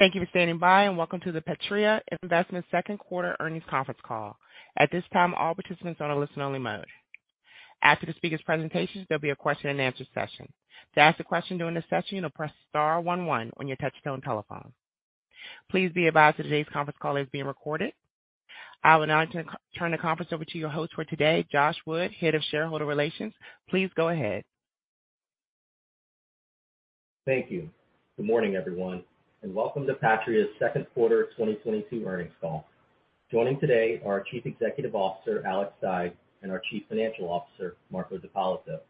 Thank you for standing by, and welcome to the Patria Investments second quarter earnings conference call. At this time, all participants are on a listen only mode. After the speaker's presentations, there'll be a question and answer session. To ask a question during the session, you'll press star one one on your touchtone telephone. Please be advised that today's conference call is being recorded. I will now turn the conference over to your host for today, Josh Wood, Head of Shareholder Relations. Please go ahead. Thank you. Good morning, everyone, and welcome to Patria's second quarter 2022 earnings call. Joining today are our Chief Executive Officer, Alex Saigh, and our Chief Financial Officer, Marco D'Ippolito.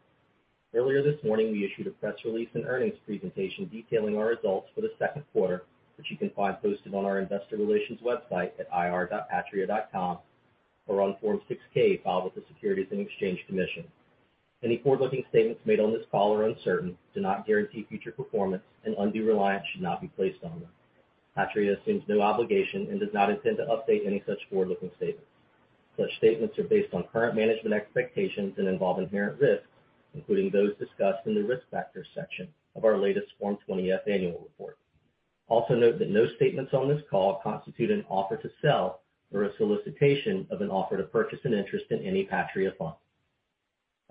Earlier this morning, we issued a press release and earnings presentation detailing our results for the second quarter, which you can find posted on our investor relations website at ir.patria.com or on Form 6-K filed with the Securities and Exchange Commission. Any forward-looking statements made on this call are uncertain, do not guarantee future performance, and undue reliance should not be placed on them. Patria assumes no obligation and does not intend to update any such forward-looking statements. Such statements are based on current management expectations and involve inherent risks, including those discussed in the Risk Factors section of our latest Form 20-F annual report. Also note that no statements on this call constitute an offer to sell or a solicitation of an offer to purchase an interest in any Patria fund.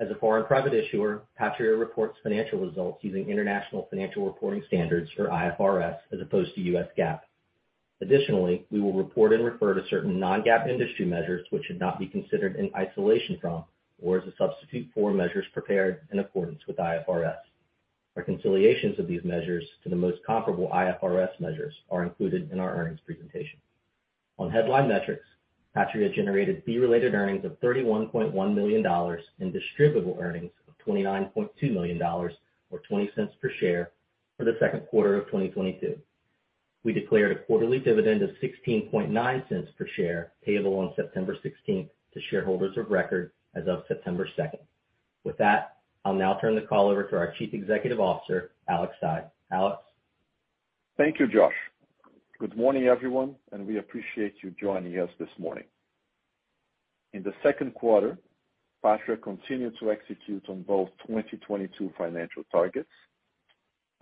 As a foreign private issuer, Patria reports financial results using International Financial Reporting Standards, or IFRS, as opposed to U.S. GAAP. Additionally, we will report and refer to certain non-GAAP industry measures which should not be considered in isolation from, or as a substitute for measures prepared in accordance with IFRS. Reconciliations of these measures to the most comparable IFRS measures are included in our earnings presentation. On headline metrics, Patria generated fee related earnings of $31.1 million and distributable earnings of $29.2 million or $0.20 per share for the second quarter of 2022. We declared a quarterly dividend of $0.169 per share payable on September 16 to shareholders of record as of September 2. With that, I'll now turn the call over to our Chief Executive Officer, Alex Saigh. Alex? Thank you, Josh. Good morning, everyone, and we appreciate you joining us this morning. In the second quarter, Patria continued to execute on both 2022 financial targets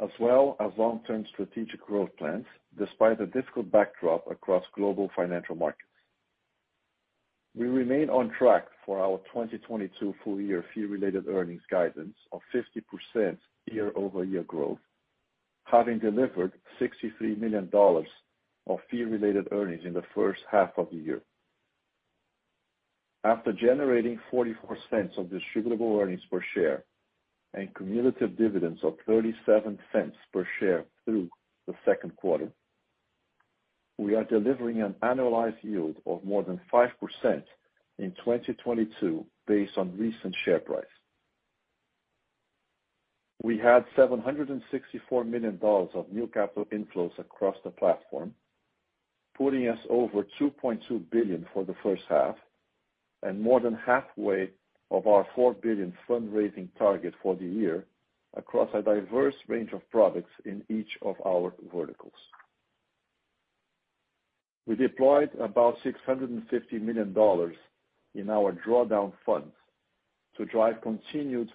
as well as long-term strategic growth plans despite a difficult backdrop across global financial markets. We remain on track for our 2022 full year Fee Related Earnings guidance of 50% year-over-year growth, having delivered $63 million of Fee Related Earnings in the first half of the year. After generating $0.44 of distributable earnings per share and cumulative dividends of $0.37 per share through the second quarter, we are delivering an annualized yield of more than 5% in 2022 based on recent share price. We had $764 million of new capital inflows across the platform, putting us over $2.2 billion for the first half and more than halfway of our $4 billion fundraising target for the year across a diverse range of products in each of our verticals. We deployed about $650 million in our drawdown funds to drive continued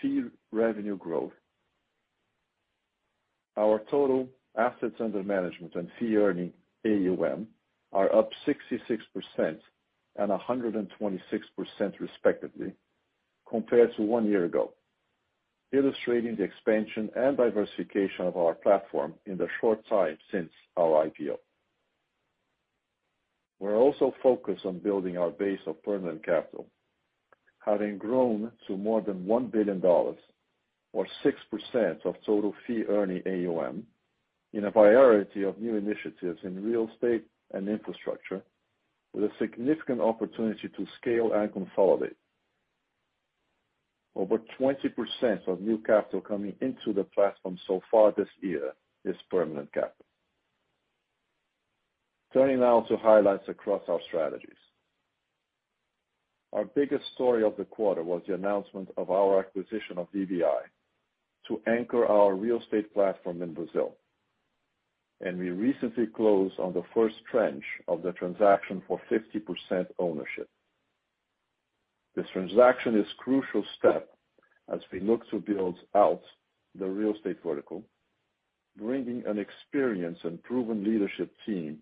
fee revenue growth. Our total assets under management and fee-earning AUM are up 66% and 126% respectively compared to one year ago, illustrating the expansion and diversification of our platform in the short time since our IPO. We're also focused on building our base of permanent capital, having grown to more than $1 billion or 6% of total fee-earning AUM in a variety of new initiatives in real estate and infrastructure with a significant opportunity to scale and consolidate. Over 20% of new capital coming into the platform so far this year is permanent capital. Turning now to highlights across our strategies. Our biggest story of the quarter was the announcement of our acquisition of VBI to anchor our real estate platform in Brazil, and we recently closed on the first tranche of the transaction for 50% ownership. This transaction is crucial step as we look to build out the real estate vertical, bringing an experienced and proven leadership team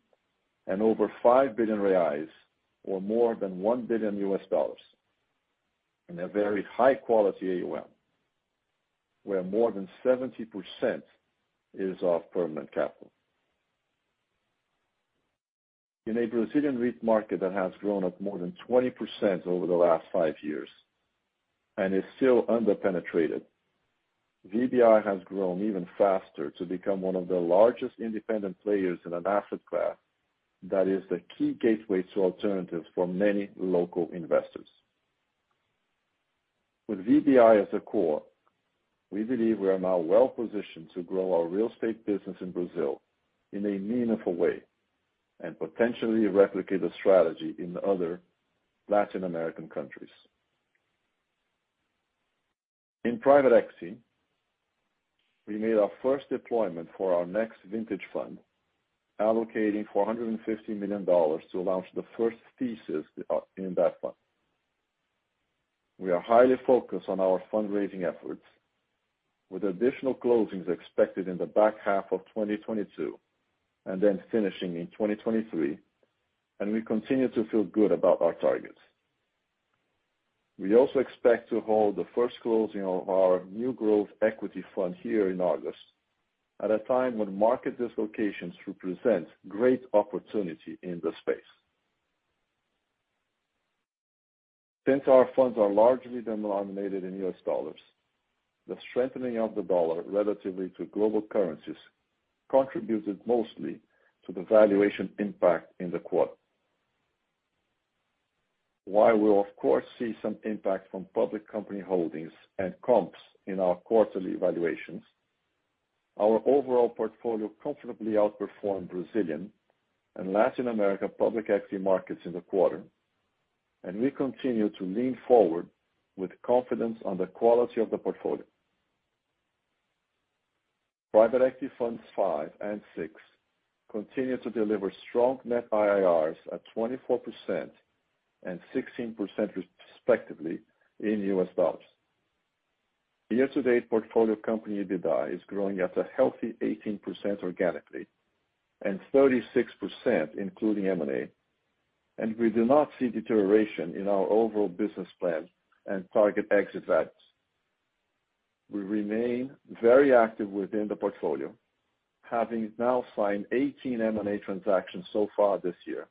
and over 5 billion reais, or more than $1 billion in a very high quality AUM, where more than 70% is of permanent capital. In a Brazilian REIT market that has grown up more than 20% over the last 5 years and is still under-penetrated, VBI has grown even faster to become one of the largest independent players in an asset class that is the key gateway to alternatives for many local investors. With VBI as a core, we believe we are now well positioned to grow our real estate business in Brazil in a meaningful way and potentially replicate a strategy in other Latin American countries. In private equity, we made our first deployment for our next vintage fund, allocating $450 million to launch the first thesis in that fund. We are highly focused on our fundraising efforts with additional closings expected in the back half of 2022, and then finishing in 2023, and we continue to feel good about our targets. We also expect to hold the first closing of our new growth equity fund here in August at a time when market dislocations represent great opportunity in the space. Since our funds are largely denominated in U.S. dollars, the strengthening of the dollar relative to global currencies contributed mostly to the valuation impact in the quarter. While we'll of course see some impact from public company holdings and comps in our quarterly evaluations, our overall portfolio comfortably outperformed Brazilian and Latin America public equity markets in the quarter. We continue to lean forward with confidence on the quality of the portfolio. Private equity funds 5 and 6 continue to deliver strong net IRRs at 24% and 16% respectively in U.S. dollars. Year-to-date portfolio company EBITDA is growing at a healthy 18% organically and 36% including M&A, and we do not see deterioration in our overall business plan and target exit values. We remain very active within the portfolio, having now signed 18 M&A transactions so far this year,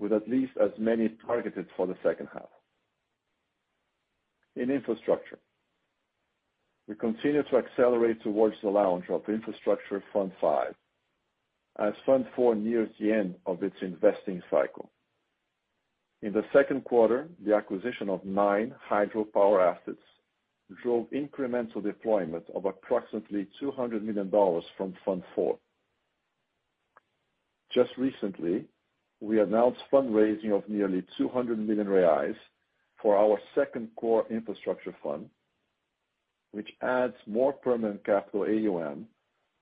with at least as many targeted for the second half. In infrastructure, we continue to accelerate towards the launch of infrastructure fund 5 as fund 4 nears the end of its investing cycle. In the second quarter, the acquisition of 9 hydropower assets drove incremental deployment of approximately $200 million from fund 4. Just recently, we announced fundraising of nearly 200 million reais for our second core infrastructure fund, which adds more permanent capital AUM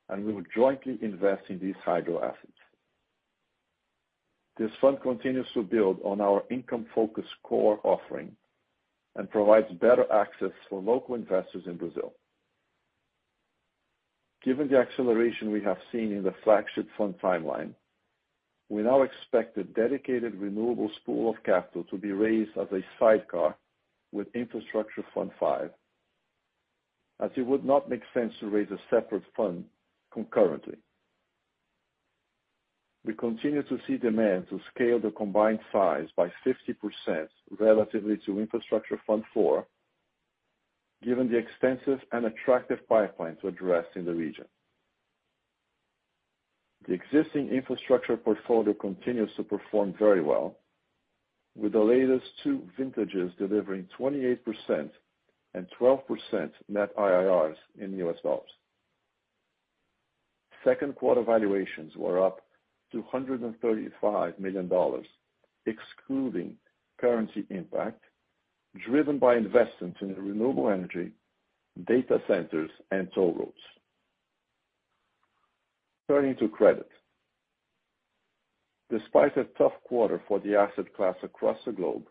and will jointly invest in these hydro assets. This fund continues to build on our income-focused core offering and provides better access for local investors in Brazil. Given the acceleration we have seen in the flagship fund timeline, we now expect a dedicated renewables pool of capital to be raised as a sidecar with infrastructure fund five, as it would not make sense to raise a separate fund concurrently. We continue to see demand to scale the combined size by 50% relatively to infrastructure fund four, given the extensive and attractive pipeline to address in the region. The existing infrastructure portfolio continues to perform very well, with the latest two vintages delivering 28% and 12% net IRRs in U.S. dollars. Second quarter valuations were up $135 million, excluding currency impact, driven by investments in renewable energy, data centers, and toll roads. Turning to credit. Despite a tough quarter for the asset class across the globe,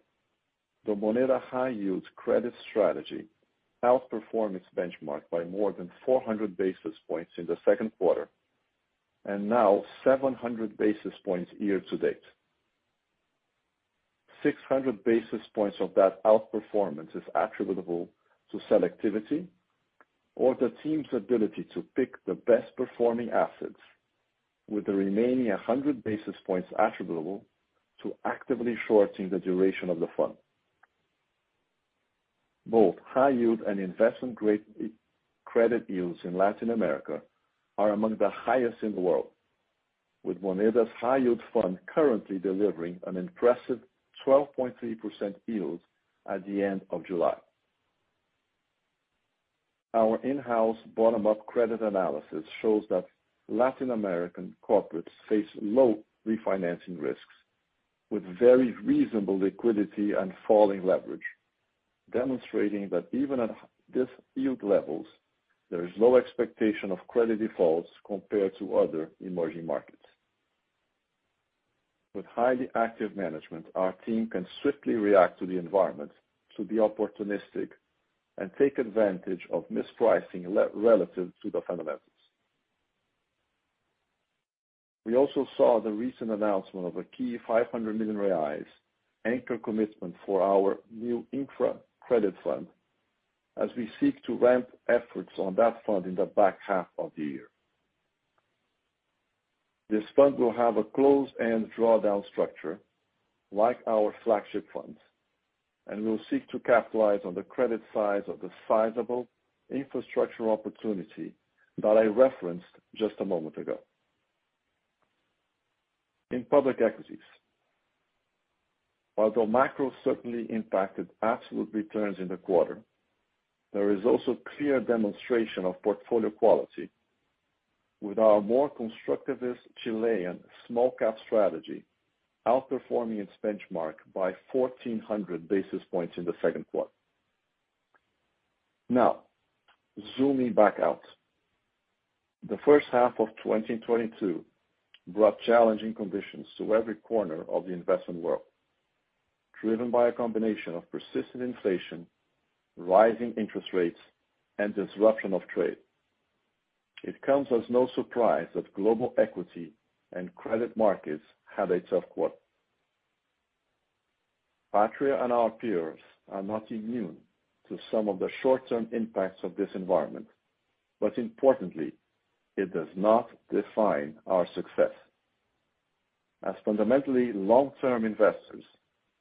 the Moneda high yield credit strategy outperformed its benchmark by more than 400 basis points in the second quarter, and now 700 basis points year to date. 600 basis points of that outperformance is attributable to selectivity or the team's ability to pick the best performing assets with the remaining 100 basis points attributable to actively shorting the duration of the fund. Both high yield and investment grade credit yields in Latin America are among the highest in the world, with Moneda's high yield fund currently delivering an impressive 12.3% yield at the end of July. Our in-house bottom-up credit analysis shows that Latin American corporates face low refinancing risks with very reasonable liquidity and falling leverage, demonstrating that even at this yield levels, there is low expectation of credit defaults compared to other emerging markets. With highly active management, our team can swiftly react to the environment to be opportunistic and take advantage of mispricing relative to the fundamentals. We also saw the recent announcement of a key 500 million reais anchor commitment for our new infra credit fund as we seek to ramp efforts on that fund in the back half of the year. This fund will have a closed-end drawdown structure like our flagship funds, and we'll seek to capitalize on the credit size of the sizable infrastructure opportunity that I referenced just a moment ago. In public equities, although macro certainly impacted absolute returns in the quarter, there is also clear demonstration of portfolio quality with our more constructivist Chilean small cap strategy outperforming its benchmark by 1,400 basis points in the second quarter. Now zooming back out. The first half of 2022 brought challenging conditions to every corner of the investment world, driven by a combination of persistent inflation, rising interest rates, and disruption of trade. It comes as no surprise that global equity and credit markets had a tough quarter. Patria and our peers are not immune to some of the short-term impacts of this environment. Importantly, it does not define our success. As fundamentally long-term investors,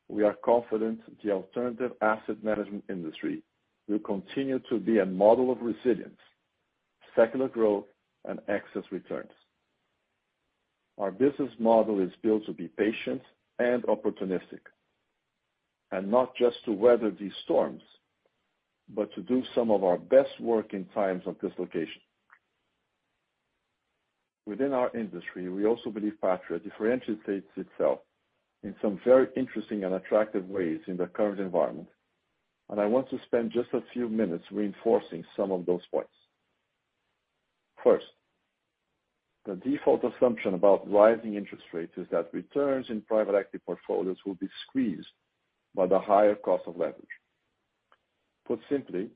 we are confident the alternative asset management industry will continue to be a model of resilience, secular growth, and excess returns. Our business model is built to be patient and opportunistic, and not just to weather these storms, but to do some of our best work in times of dislocation. Within our industry, we also believe Patria differentiates itself in some very interesting and attractive ways in the current environment, and I want to spend just a few minutes reinforcing some of those points. First, the default assumption about rising interest rates is that returns in private equity portfolios will be squeezed by the higher cost of leverage. Put simply,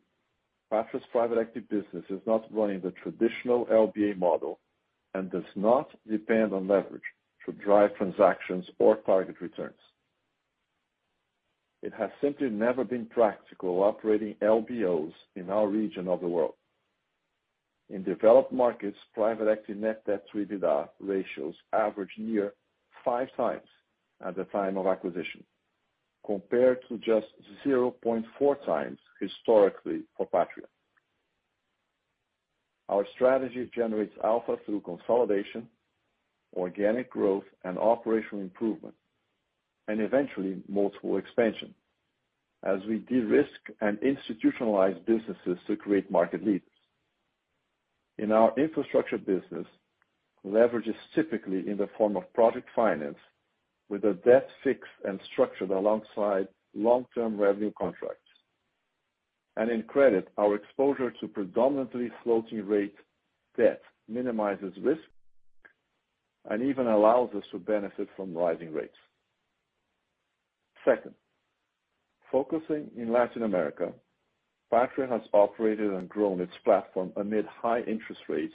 Patria's private equity business is not running the traditional LBO model and does not depend on leverage to drive transactions or target returns. It has simply never been practical operating LBOs in our region of the world. In developed markets, private equity net debt to EBITDA ratios average near 5x at the time of acquisition, compared to just 0.4x historically for Patria. Our strategy generates alpha through consolidation, organic growth, and operational improvement, and eventually multiple expansion as we de-risk and institutionalize businesses to create market leaders. In our infrastructure business, leverage is typically in the form of project finance with the debt fixed and structured alongside long-term revenue contracts. In credit, our exposure to predominantly floating rate debt minimizes risk and even allows us to benefit from rising rates. Second, focusing in Latin America, Patria has operated and grown its platform amid high interest rates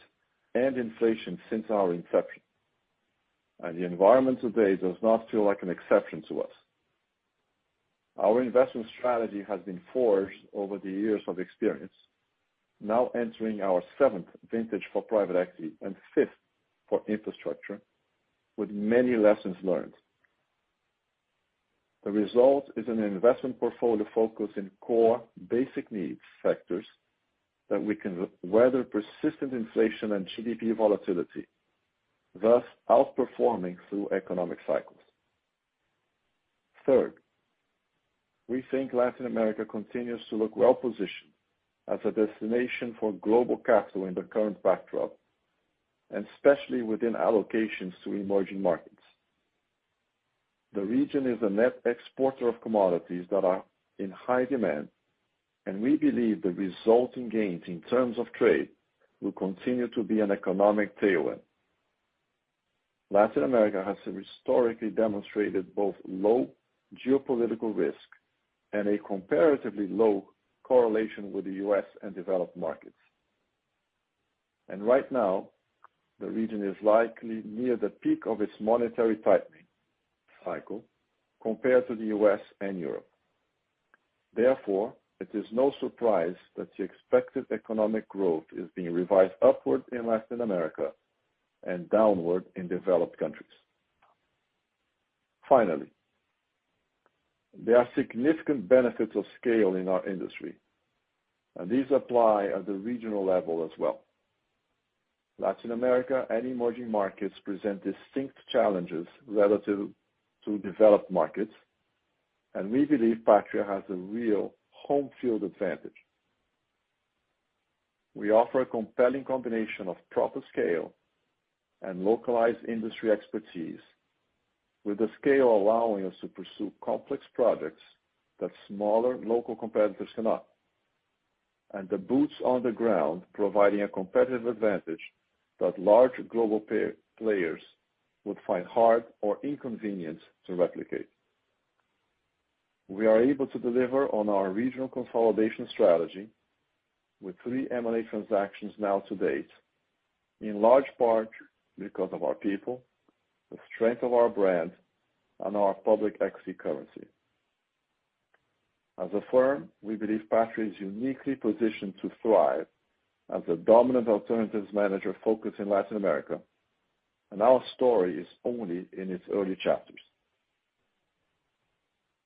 and inflation since our inception, and the environment today does not feel like an exception to us. Our investment strategy has been forged over the years of experience, now entering our seventh vintage for private equity and fifth for infrastructure with many lessons learned. The result is an investment portfolio focused in core basic needs sectors that we can weather persistent inflation and GDP volatility, thus outperforming through economic cycles. Third, we think Latin America continues to look well-positioned as a destination for global capital in the current backdrop, and especially within allocations to emerging markets. The region is a net exporter of commodities that are in high demand, and we believe the resulting gains in terms of trade will continue to be an economic tailwind. Latin America has historically demonstrated both low geopolitical risk and a comparatively low correlation with the U.S. and developed markets. Right now, the region is likely near the peak of its monetary tightening cycle compared to the U.S. and Europe. Therefore, it is no surprise that the expected economic growth is being revised upward in Latin America and downward in developed countries. Finally, there are significant benefits of scale in our industry, and these apply at the regional level as well. Latin America and emerging markets present distinct challenges relative to developed markets, and we believe Patria has a real home field advantage. We offer a compelling combination of proper scale and localized industry expertise, with the scale allowing us to pursue complex projects that smaller local competitors cannot. The boots on the ground providing a competitive advantage that large global players would find hard or inconvenient to replicate. We are able to deliver on our regional consolidation strategy with 3 M&A transactions now to date, in large part because of our people, the strength of our brand, and our public equity currency. As a firm, we believe Patria is uniquely positioned to thrive as a dominant alternatives manager focused in Latin America, and our story is only in its early chapters.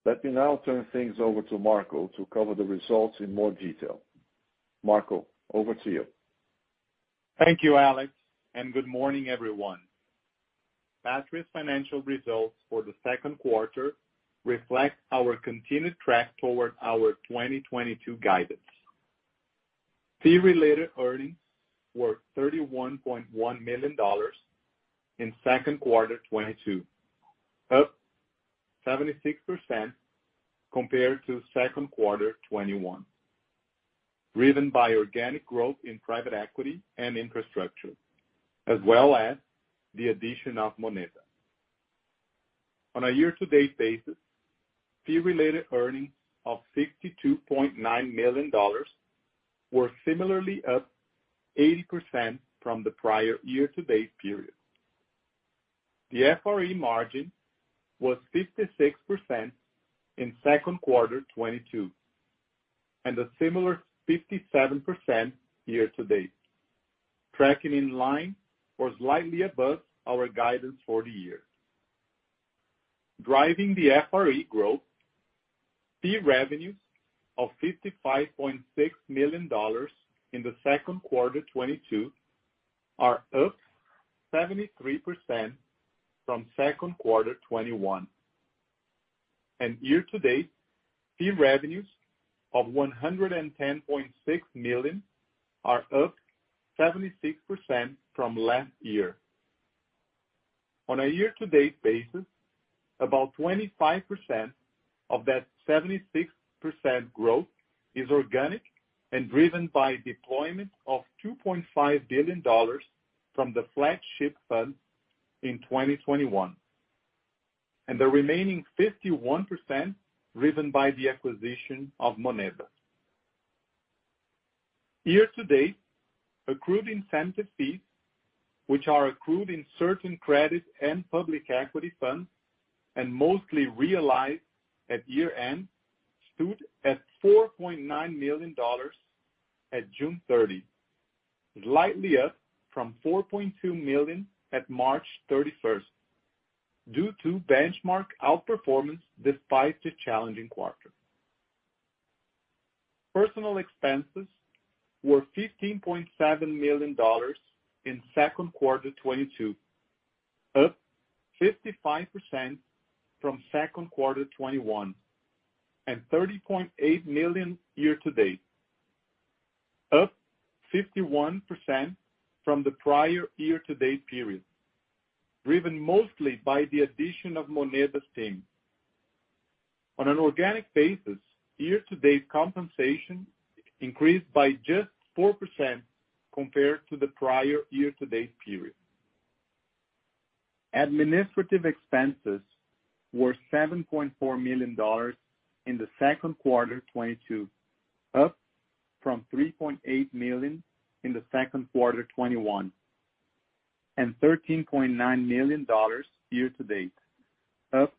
Let me now turn things over to Marco to cover the results in more detail. Marco, over to you. Thank you, Alex, and good morning, everyone. Patria's financial results for the second quarter reflect our continued track toward our 2022 guidance. Fee-Related Earnings were $31.1 million in second quarter 2022, up 76% compared to second quarter 2021, driven by organic growth in private equity and infrastructure, as well as the addition of Moneda. On a year-to-date basis, Fee-Related Earnings of $52.9 million were similarly up 80% from the prior year-to-date period. The FRE margin was 56% in second quarter 2022, and a similar 57% year-to-date, tracking in line or slightly above our guidance for the year. Driving the FRE growth, fee revenues of $55.6 million in the second quarter 2022 are up 73% from second quarter 2021. Year-to-date, fee revenues of $110.6 million are up 76% from last year. On a year-to-date basis, about 25% of that 76% growth is organic and driven by deployment of $2.5 billion from the flagship fund in 2021, and the remaining 51% driven by the acquisition of Moneda. Year-to-date, accrued incentive fees, which are accrued in certain credit and public equity funds and mostly realized at year-end, stood at $4.9 million at June 30, slightly up from $4.2 million at March 31, due to benchmark outperformance despite the challenging quarter. Personal expenses were $15.7 million in second quarter 2022, up 55% from second quarter 2021, and $30.8 million year-to-date, up 51% from the prior year-to-date period, driven mostly by the addition of Moneda's team. On an organic basis, year-to-date compensation increased by just 4% compared to the prior year-to-date period. Administrative expenses were $7.4 million in the second quarter 2022, up from $3.8 million in the second quarter 2021, and $13.9 million year-to-date, up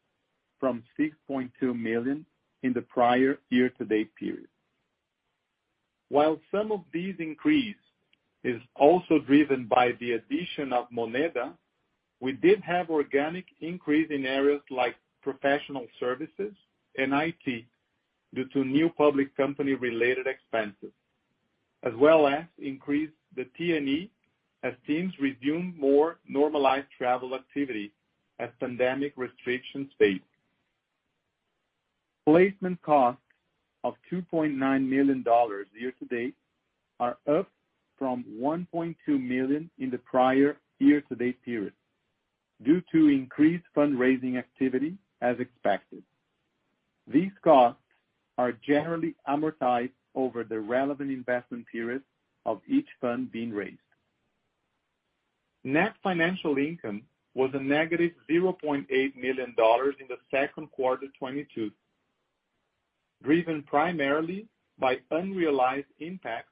from $6.2 million in the prior year-to-date period. While some of these increase is also driven by the addition of Moneda, we did have organic increase in areas like professional services and IT due to new public company-related expenses, as well as increase the T&E as teams resume more normalized travel activity as pandemic restrictions fade. Placement costs of $2.9 million year-to-date are up from $1.2 million in the prior year-to-date period due to increased fundraising activity as expected. These costs are generally amortized over the relevant investment period of each fund being raised. Net financial income was a negative $0.8 million in the second quarter 2022, driven primarily by unrealized impacts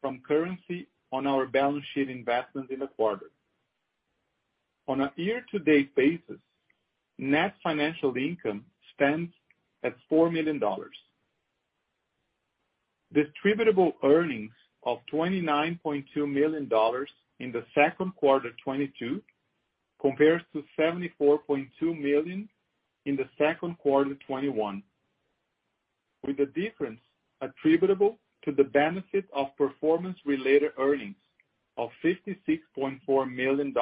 from currency on our balance sheet investments in the quarter. On a year-to-date basis, net financial income stands at $4 million. Distributable earnings of $29.2 million in the second quarter 2022 compares to $74.2 million in the second quarter 2021, with the difference attributable to the benefit of performance-related earnings of $56.4 million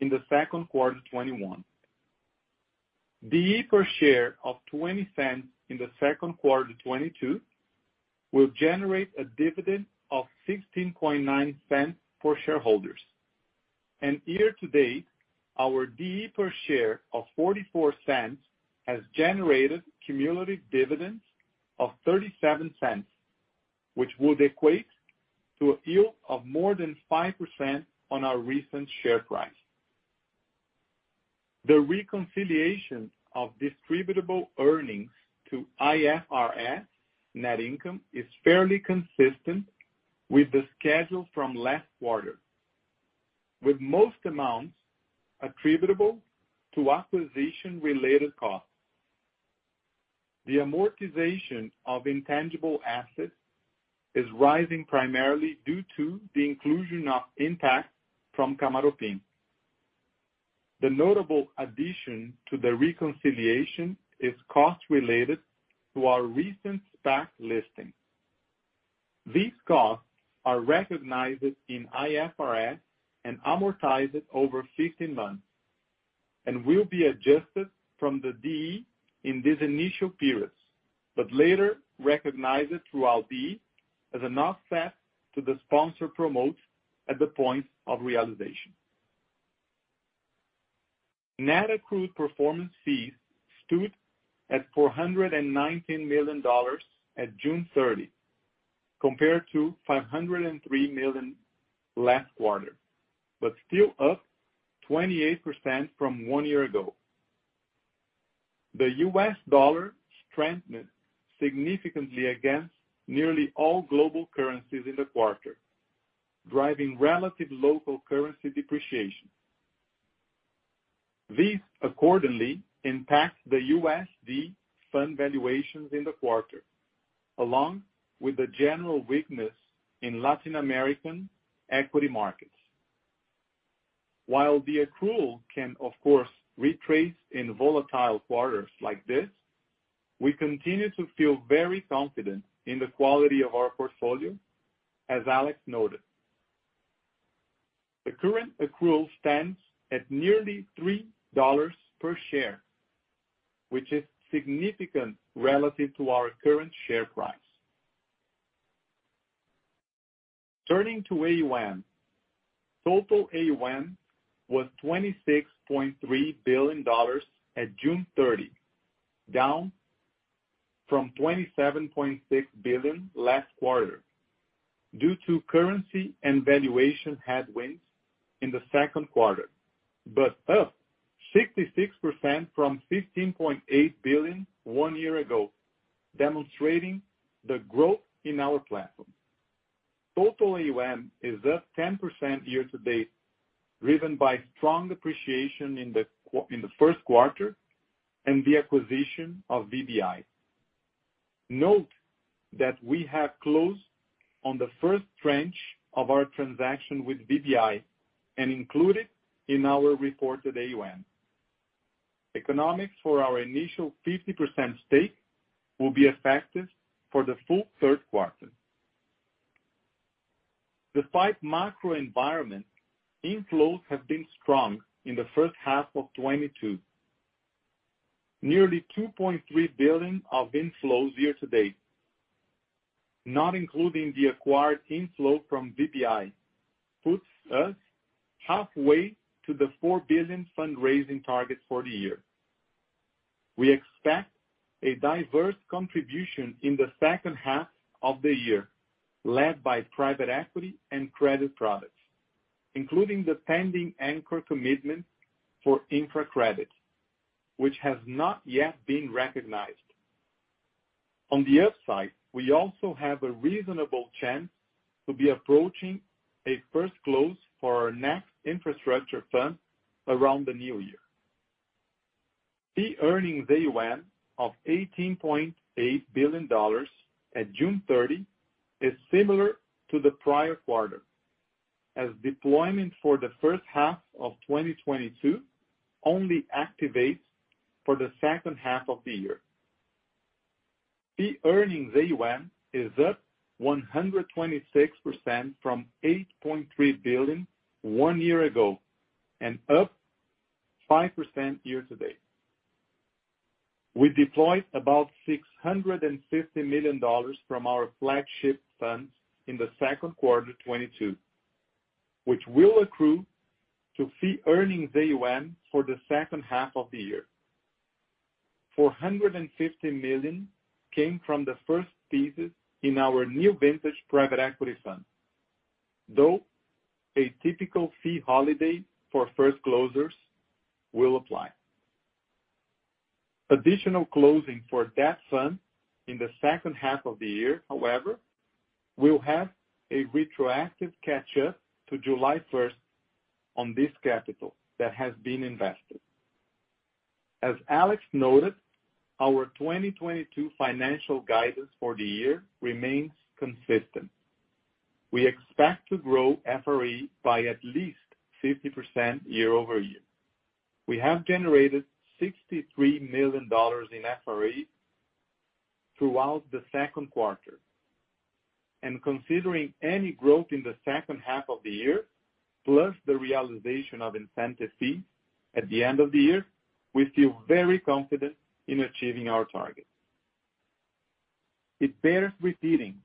in the second quarter 2021. DE per share of $0.20 in the second quarter 2022 will generate a dividend of $0.169 for shareholders. Year-to-date, our DE per share of $0.44 has generated cumulative dividends of $0.37, which would equate to a yield of more than 5% on our recent share price. The reconciliation of distributable earnings to IFRS net income is fairly consistent with the schedule from last quarter, with most amounts attributable to acquisition-related costs. The amortization of intangible assets is rising primarily due to the inclusion of impact from Kamaroopin. The notable addition to the reconciliation is cost related to our recent SPAC listing. These costs are recognized in IFRS and amortized over 15 months and will be adjusted from the DE in these initial periods, but later recognize it throughout BS as an offset to the sponsor promotes at the point of realization. Net accrued performance fees stood at $419 million at June 30, compared to $503 million last quarter, but still up 28% from one year ago. The U.S. dollar strengthened significantly against nearly all global currencies in the quarter, driving relative local currency depreciation. This accordingly impacts the USD fund valuations in the quarter, along with the general weakness in Latin American equity markets. While the accrual can, of course, retrace in volatile quarters like this, we continue to feel very confident in the quality of our portfolio, as Alex noted. The current accrual stands at nearly $3 per share, which is significant relative to our current share price. Turning to AUM. Total AUM was $26.3 billion at June 30, down from $27.6 billion last quarter due to currency and valuation headwinds in the second quarter, but up 66% from $15.8 billion one year ago, demonstrating the growth in our platform. Total AUM is up 10% year-to-date, driven by strong appreciation in the first quarter and the acquisition of VBI. Note that we have closed on the first tranche of our transaction with VBI and include it in our reported AUM. Economics for our initial 50% stake will be effective for the full third quarter. Despite macro environment, inflows have been strong in the first half of 2022. Nearly $2.3 billion of inflows year-to-date, not including the acquired inflow from VBI, puts us halfway to the $4 billion fundraising target for the year. We expect a diverse contribution in the second half of the year, led by private equity and credit products, including the pending anchor commitment for infra credit, which has not yet been recognized. On the upside, we also have a reasonable chance to be approaching a first close for our next infrastructure fund around the new year. Fee-earning AUM of $18.8 billion at June 30 is similar to the prior quarter, as deployment for the first half of 2022 only activates for the second half of the year. Fee-earning AUM is up 126% from $8.3 billion one year ago and up 5% year-to-date. We deployed about $650 million from our flagship funds in the second quarter 2022, which will accrue to fee-earning AUM for the second half of the year. $450 million came from the first pieces in our new vintage private equity fund, though a typical fee holiday for first closures will apply. Additional closing for that fund in the second half of the year, however, will have a retroactive catch up to July 1 on this capital that has been invested. As Alex noted, our 2022 financial guidance for the year remains consistent. We expect to grow FRE by at least 50% year-over-year. We have generated $63 million in FRE throughout the second quarter. Considering any growth in the second half of the year, plus the realization of incentive fees at the end of the year, we feel very confident in achieving our targets. It bears repeating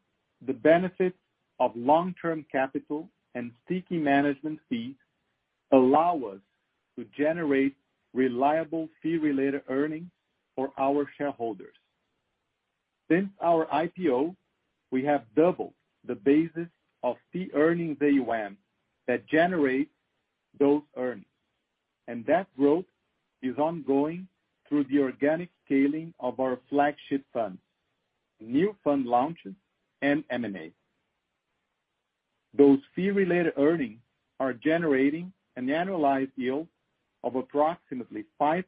the benefits of long-term capital and seeking management fees allow us to generate reliable Fee-Related Earnings for our shareholders. Since our IPO, we have doubled the base of fee-earning AUM that generates those earnings. That growth is ongoing through the organic scaling of our flagship funds, new fund launches and M&As. Those Fee-Related Earnings are generating an annualized yield of approximately 5%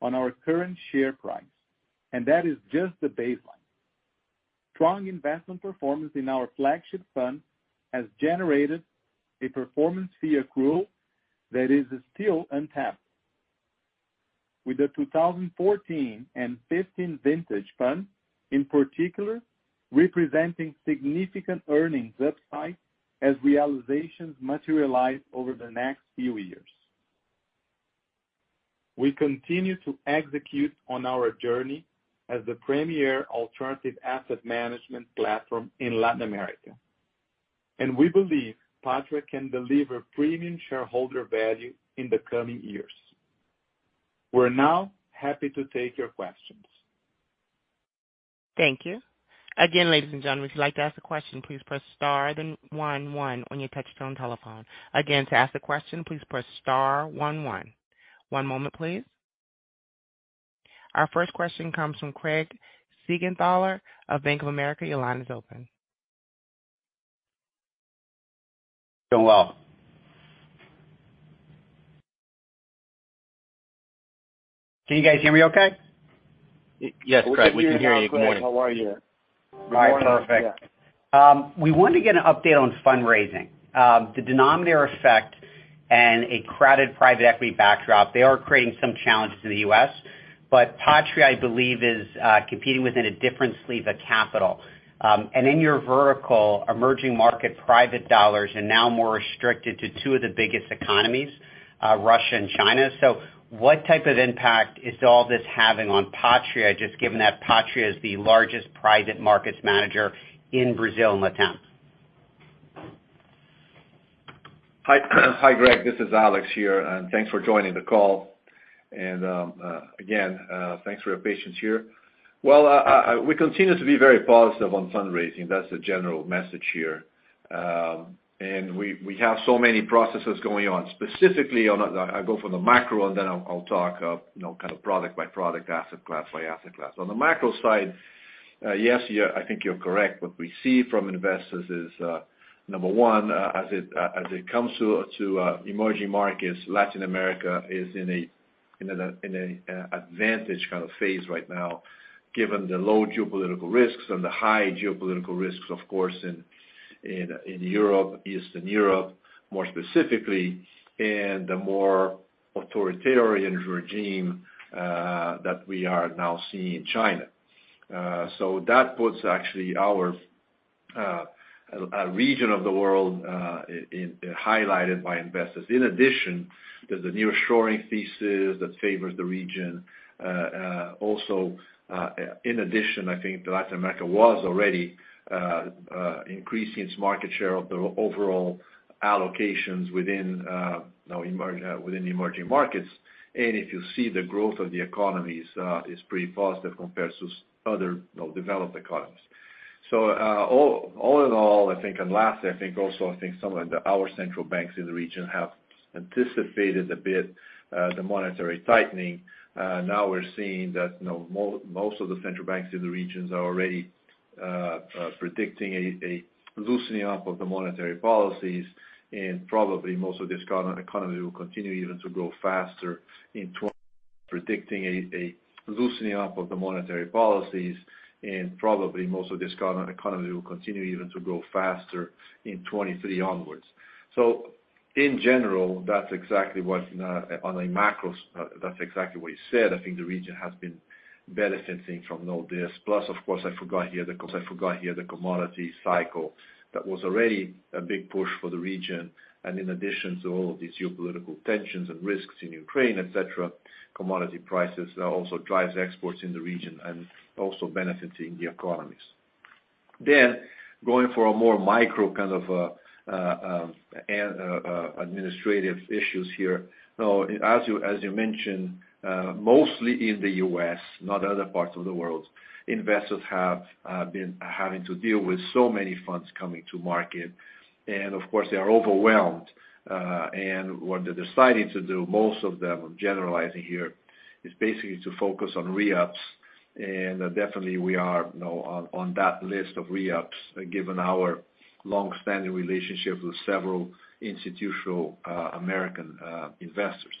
on our current share price. That is just the baseline. Strong investment performance in our flagship fund has generated a performance fee accrual that is still untapped. With the 2014 and 2015 vintage fund in particular Representing significant earnings upside as realizations materialize over the next few years. We continue to execute on our journey as the premier alternative asset management platform in Latin America, and we believe Patria can deliver premium shareholder value in the coming years. We're now happy to take your questions. Thank you. Again, ladies and gentlemen, if you'd like to ask a question, please press star then one one on your touch-tone telephone. Again, to ask a question, please press star one one. One moment, please. Our first question comes from Craig Siegenthaler of Bank of America. Your line is open. Doing well. Can you guys hear me okay? Yes, Craig, we can hear you. Good morning. All right, perfect. We want to get an update on fundraising. The denominator effect and a crowded private equity backdrop, they are creating some challenges in the U.S. Patria, I believe, is competing within a different sleeve of capital. In your vertical, emerging market private dollars are now more restricted to two of the biggest economies, Russia and China. What type of impact is all this having on Patria, just given that Patria is the largest private markets manager in Brazil and LATAM? Hi, Craig, this is Alex here, and thanks for joining the call. Again, thanks for your patience here. We continue to be very positive on fundraising. That's the general message here. We have so many processes going on, specifically. I'll go from the macro and then I'll talk, you know, kind of product by product, asset class by asset class. On the macro side, yes, I think you're correct. What we see from investors is, number one, as it comes to emerging markets, Latin America is in an advantage kind of phase right now, given the low geopolitical risks and the high geopolitical risks, of course, in Europe, Eastern Europe, more specifically, and the more authoritarian regime that we are now seeing in China. That puts actually our region of the world in highlighted by investors. In addition, there's the nearshoring thesis that favors the region. Also, in addition, I think Latin America was already increasing its market share of the overall allocations within, you know, the emerging markets. If you see the growth of the economies is pretty positive compared to other, you know, developed economies. All in all, I think lastly also some of our central banks in the region have anticipated a bit the monetary tightening. Now we're seeing that, you know, most of the central banks in the regions are already predicting a loosening up of the monetary policies. Probably most of these economies will continue even to grow faster in 2023 onwards. In general, that's exactly what you said. I think the region has been benefiting from all this. Plus, of course, I forgot here the 'cause I forgot here the commodity cycle. That was already a big push for the region. In addition to all of these geopolitical tensions and risks in Ukraine, et cetera, commodity prices also drives exports in the region and also benefiting the economies. Going for a more micro kind of administrative issues here. As you mentioned, mostly in the U.S., not other parts of the world, investors have been having to deal with so many funds coming to market, and of course, they are overwhelmed. What they're deciding to do, most of them, I'm generalizing here, is basically to focus on re-ups. Definitely we are, you know, on that list of re-ups, given our long-standing relationship with several institutional American investors.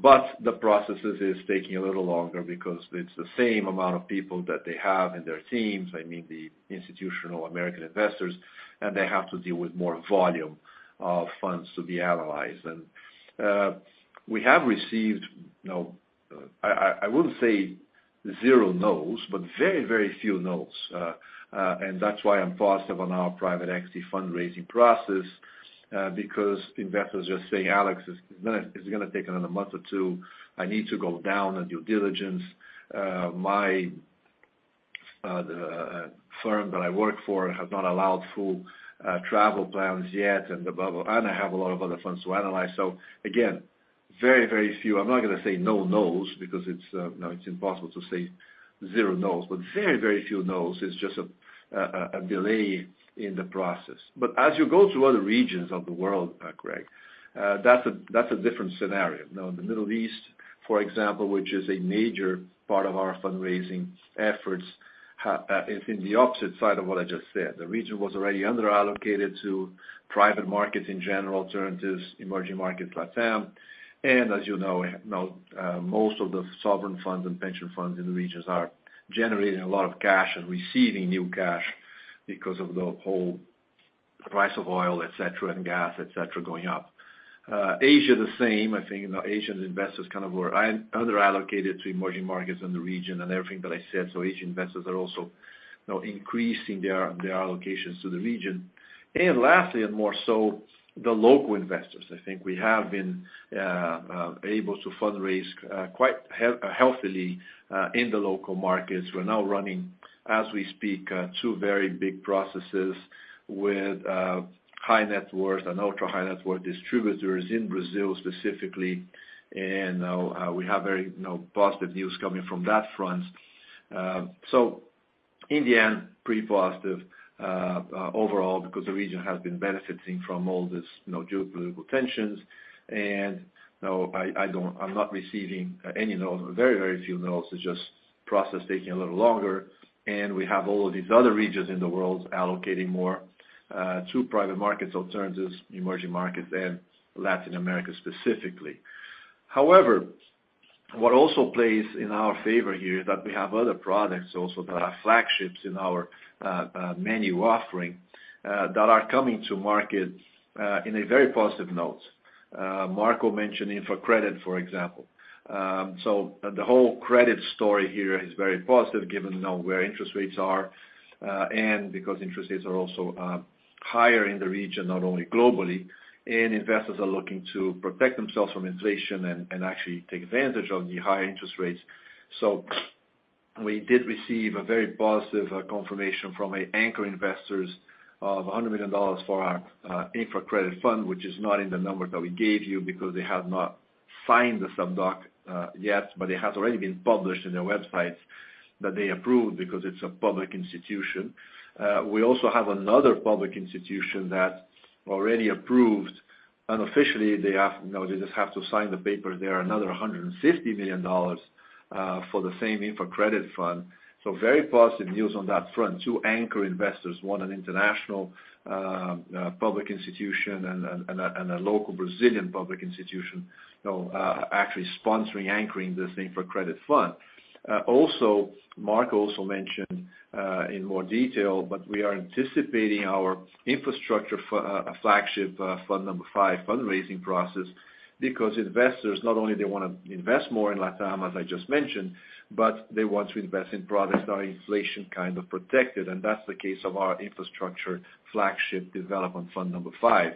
The process is taking a little longer because it's the same amount of people that they have in their teams, I mean, the institutional American investors, and they have to deal with more volume of funds to be analyzed. We have received, you know, I wouldn't say zero nos, but very, very few nos. That's why I'm positive on our private equity fundraising process, because investors just say, "Alex, it's gonna take another month or two. I need to go down on due diligence. The firm that I work for has not allowed full travel plans yet," and blah. "I have a lot of other funds to analyze." Again, very, very few. I'm not gonna say no nos because it's, you know, it's impossible to say zero nos, but very, very few nos. It's just a delay in the process. But as you go through other regions of the world, Craig, that's a different scenario. You know, in the Middle East, for example, which is a major part of our fundraising efforts, is in the opposite side of what I just said. The region was already under-allocated to private markets in general, alternatives, emerging markets, LATAM. As you know, most of the sovereign funds and pension funds in the regions are generating a lot of cash and receiving new cash because of the whole price of oil, et cetera, and gas, et cetera, going up. Asia, the same. I think, you know, Asian investors kind of were under-allocated to emerging markets in the region and everything that I said. Asian investors are also, you know, increasing their allocations to the region. Lastly, and more so, the local investors. I think we have been able to fundraise quite healthily in the local markets. We're now running, as we speak, two very big processes with high net worth and ultra-high net worth distributors in Brazil specifically. We have very, you know, positive news coming from that front. In the end, pretty positive overall because the region has been benefiting from all this, you know, geopolitical tensions. You know, I'm not receiving any notes, very, very few notes. It's just process taking a little longer. We have all of these other regions in the world allocating more to private markets, alternatives, emerging markets, and Latin America specifically. However, what also plays in our favor here is that we have other products also that are flagships in our menu offering that are coming to market in a very positive note. Marco mentioned InfraCredit, for example. So the whole credit story here is very positive given, you know, where interest rates are and because interest rates are also higher in the region, not only globally, and investors are looking to protect themselves from inflation and actually take advantage of the high interest rates. We did receive a very positive confirmation from anchor investors of $100 million for our InfraCredit fund, which is not in the numbers that we gave you because they have not signed the sub-doc yet, but it has already been published in their websites that they approved because it's a public institution. We also have another public institution that already approved unofficially. They have, you know, they just have to sign the paper. They are another $150 million for the same InfraCredit fund. Very positive news on that front. Two anchor investors, one an international public institution and a local Brazilian public institution, you know, actually anchoring the InfraCredit fund. Also, Marco also mentioned in more detail, but we are anticipating our infrastructure flagship fund number five fundraising process because investors, not only they wanna invest more in LatAm, as I just mentioned, but they want to invest in products that are inflation kind of protected, and that's the case of our infrastructure flagship development fund number five.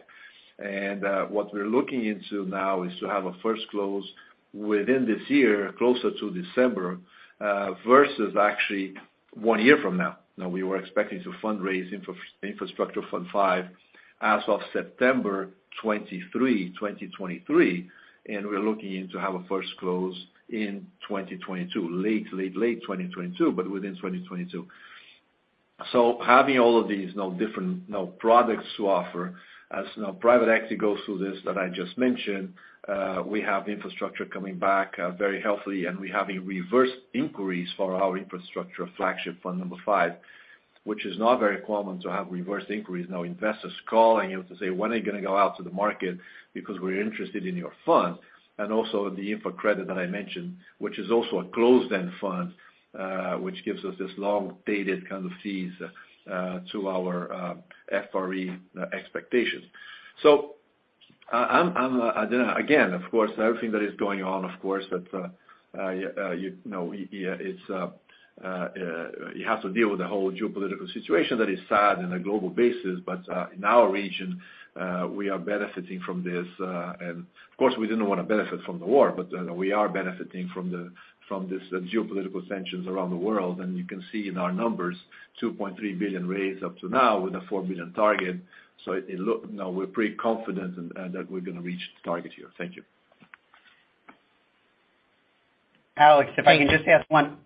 What we're looking into now is to have a first close within this year, closer to December, versus actually one year from now. Now, we were expecting to fundraise Infrastructure Fund five as of September twenty-three, 2023, and we're looking into have a first close in 2022, late 2022, but within 2022. Having all of these, you know, different, you know, products to offer, as you know, private equity goes through this that I just mentioned, we have infrastructure coming back very healthily, and we have reverse inquiries for our infrastructure flagship fund number 5, which is not very common to have reverse inquiries. Now, investors calling you to say, "When are you gonna go out to the market because we're interested in your fund?" Also the InfraCredit that I mentioned, which is also a closed-end fund, which gives us this long-dated kind of fees to our FRE expectations. I'm again, of course, everything that is going on, of course, that you know, it's you have to deal with the whole geopolitical situation that is sad in a global basis. In our region, we are benefiting from this. Of course, we didn't wanna benefit from the war, but we are benefiting from this geopolitical tensions around the world. You can see in our numbers, $2.3 billion raised up to now with a $4 billion target. We're pretty confident in that we're gonna reach the target here. Thank you. Alex, if I can just ask one.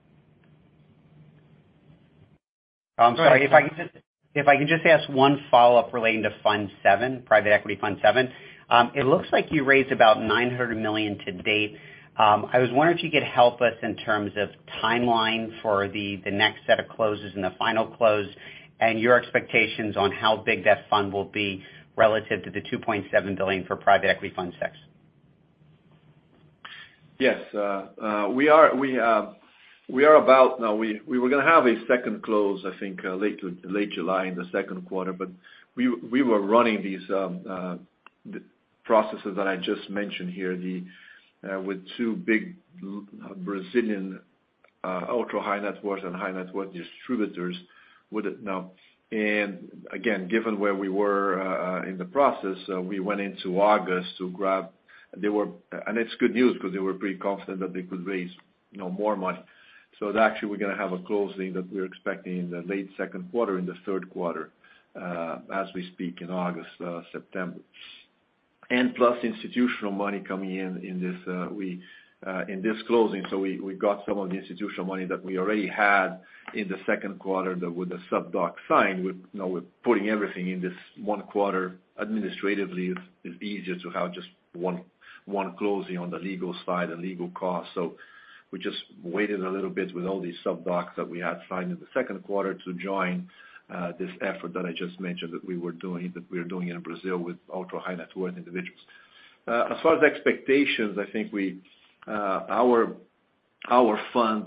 Go ahead. I'm sorry. If I can just ask one follow-up relating to Fund seven, Private Equity Fund seven. It looks like you raised about $900 million to date. I was wondering if you could help us in terms of timeline for the next set of closes and the final close, and your expectations on how big that fund will be relative to the $2.7 billion for Private Equity Fund six. Yes. We were gonna have a second close, I think, late July in the second quarter, but we were running these processes that I just mentioned here with two big Brazilian ultra-high net worth and high net worth distributors with it now. Again, given where we were in the process, we went into August to grab. It's good news 'cause they were pretty confident that they could raise, you know, more money. Actually, we're gonna have a closing that we're expecting in the late second quarter, in the third quarter, as we speak in August, September. Plus institutional money coming in in this closing. We got some of the institutional money that we already had in the second quarter that with the sub-doc signed. We're putting everything in this one quarter. Administratively, it's easier to have just one closing on the legal side and legal cost. We just waited a little bit with all these sub-docs that we had signed in the second quarter to join this effort that I just mentioned that we are doing in Brazil with ultra-high net worth individuals. As far as expectations, I think we, our fund,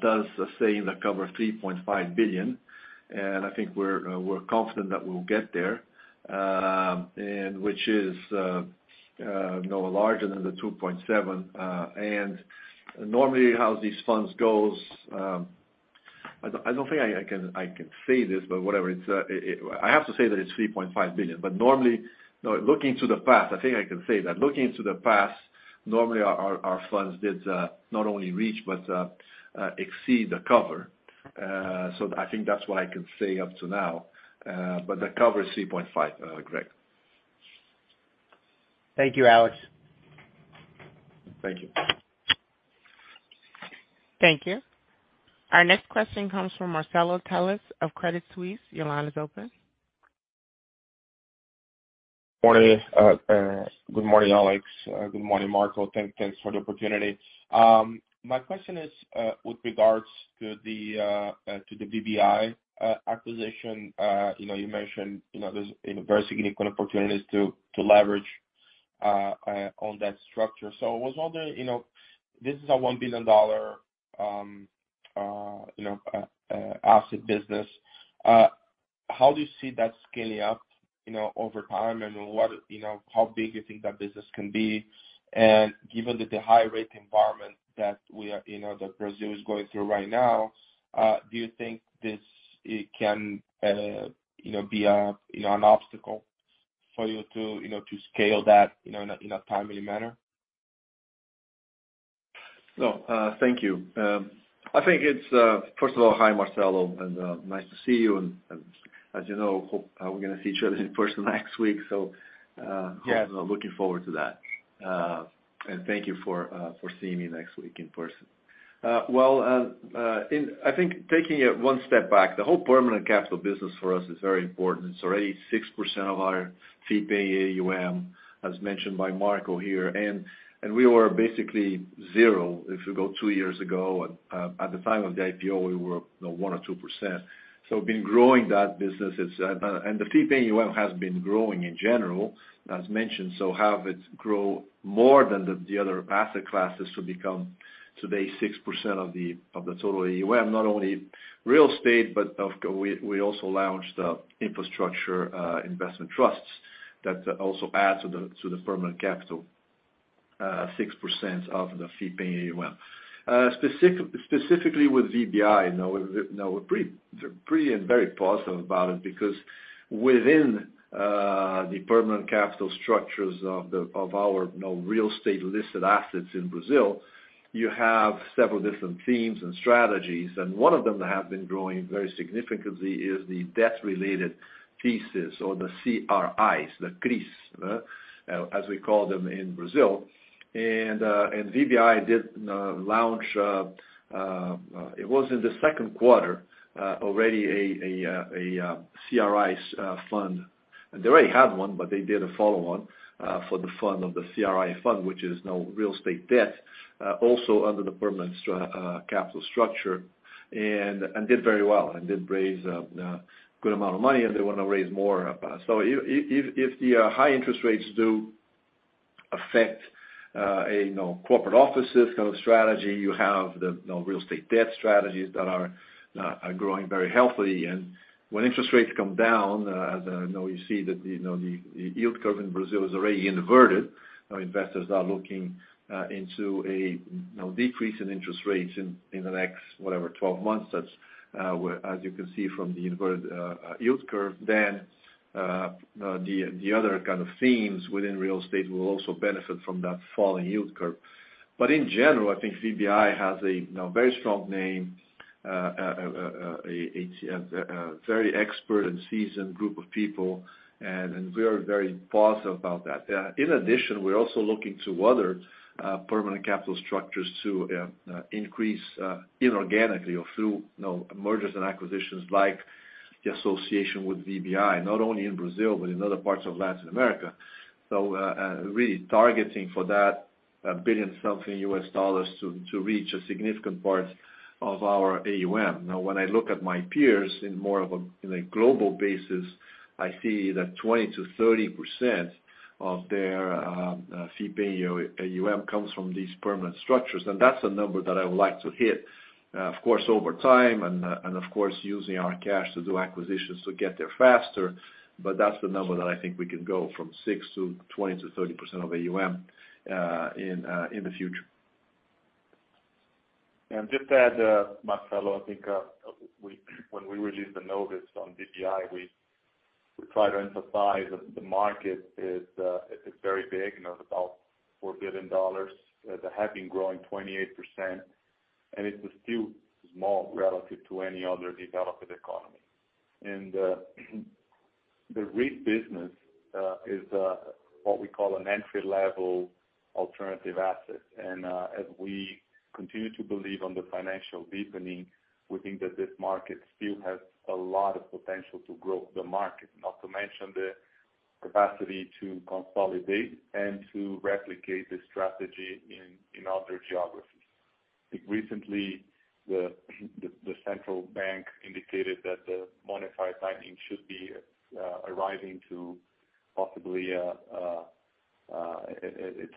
does say in the cover of $3.5 billion, and I think we're confident that we'll get there, and which is larger than the $2.7 billion. Normally how these funds goes, I don't think I can say this, but whatever, it's. I have to say that it's $3.5 billion. But normally, you know, looking to the past, I think I can say that. Looking to the past, normally our funds did not only reach but exceed the cover. I think that's what I can say up to now, but the cover is 3.5, Craig. Thank you, Alex. Thank you. Thank you. Our next question comes from Marcelo Telles of Credit Suisse. Your line is open. Morning, good morning, Alex, good morning, Marco. Thanks for the opportunity. My question is, with regards to the VBI acquisition. You know, you mentioned, you know, there's, you know, very significant opportunities to leverage on that structure. I was wondering, you know, this is a $1 billion asset business. How do you see that scaling up, you know, over time? What, you know, how big you think that business can be? Given the high rate environment that we are, you know, that Brazil is going through right now, do you think it can, you know, be a, you know, an obstacle for you to, you know, to scale that, you know, in a timely manner? No. Thank you. First of all, hi, Marcelo, and nice to see you. As you know, hope we're gonna see each other in person next week. Yes. Looking forward to that. Thank you for seeing me next week in person. Well, I think taking it one step back, the whole permanent capital business for us is very important. It's already 6% of our fee-paying AUM, as mentioned by Marco here. We were basically zero if you go 2 years ago. At the time of the IPO, we were, you know, 1% or 2%. We've been growing that business. It's. The fee-paying AUM has been growing in general, as mentioned. Have it grow more than the other asset classes to become today 6% of the total AUM, not only real estate, but we also launched infrastructure investment trusts that also add to the permanent capital, 6% of the fee-paying AUM. Specifically with VBI, you know, you know, we're pretty and very positive about it because within the permanent capital structures of our real estate listed assets in Brazil, you have several different themes and strategies. One of them that have been growing very significantly is the debt-related pieces or the CRIs as we call them in Brazil. VBI did launch it was in the second quarter already a CRIs fund. They already had one, but they did a follow-on for the fund of the CRI fund, which is now real estate debt, also under the permanent capital structure, and did very well, and did raise good amount of money, and they wanna raise more. If the high interest rates do affect a you know corporate offices kind of strategy, you have the you know real estate debt strategies that are growing very healthy. When interest rates come down, as you know you see that the yield curve in Brazil is already inverted. Our investors are looking into a you know decrease in interest rates in the next whatever 12 months. That's where, as you can see from the inverted yield curve, then the other kind of themes within real estate will also benefit from that falling yield curve. In general, I think VBI has a, you know, very strong name, a very expert and seasoned group of people, and we are very positive about that. In addition, we're also looking to other permanent capital structures to increase inorganically or through, you know, mergers and acquisitions like the association with VBI, not only in Brazil, but in other parts of Latin America. Really targeting for that $1 billion-something to reach a significant part of our AUM. Now, when I look at my peers in more of a global basis, I see that 20%-30% of their fee-paying AUM comes from these permanent capital, and that's a number that I would like to hit, of course, over time and of course, using our cash to do acquisitions to get there faster. That's the number that I think we can go from 6% to 20%-30% of AUM in the future. Just to add, Marcelo, I think, when we released the notice on VBI, we tried to emphasize that the market is very big. You know, it's about $4 billion that have been growing 28%, and it's still small relative to any other developed economy. The REIT business is what we call an entry-level alternative asset. As we continue to believe in the financial deepening, we think that this market still has a lot of potential to grow the market, not to mention the capacity to consolidate and to replicate this strategy in other geographies. I think recently the central bank indicated that the monetary tightening should be arriving to possibly its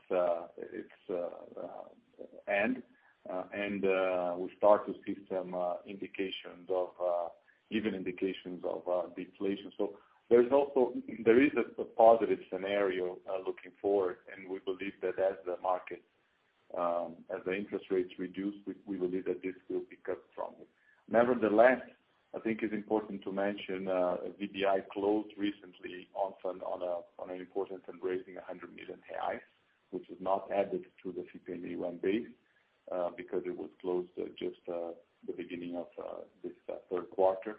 end, and we start to see some indications of deflation. There's also a positive scenario looking forward, and we believe that as the interest rates reduce, this will pick up strongly. Nevertheless, I think it's important to mention, VBI closed recently on an important fundraising 100 million, which is not added to the fee run rate, because it was closed just the beginning of this third quarter.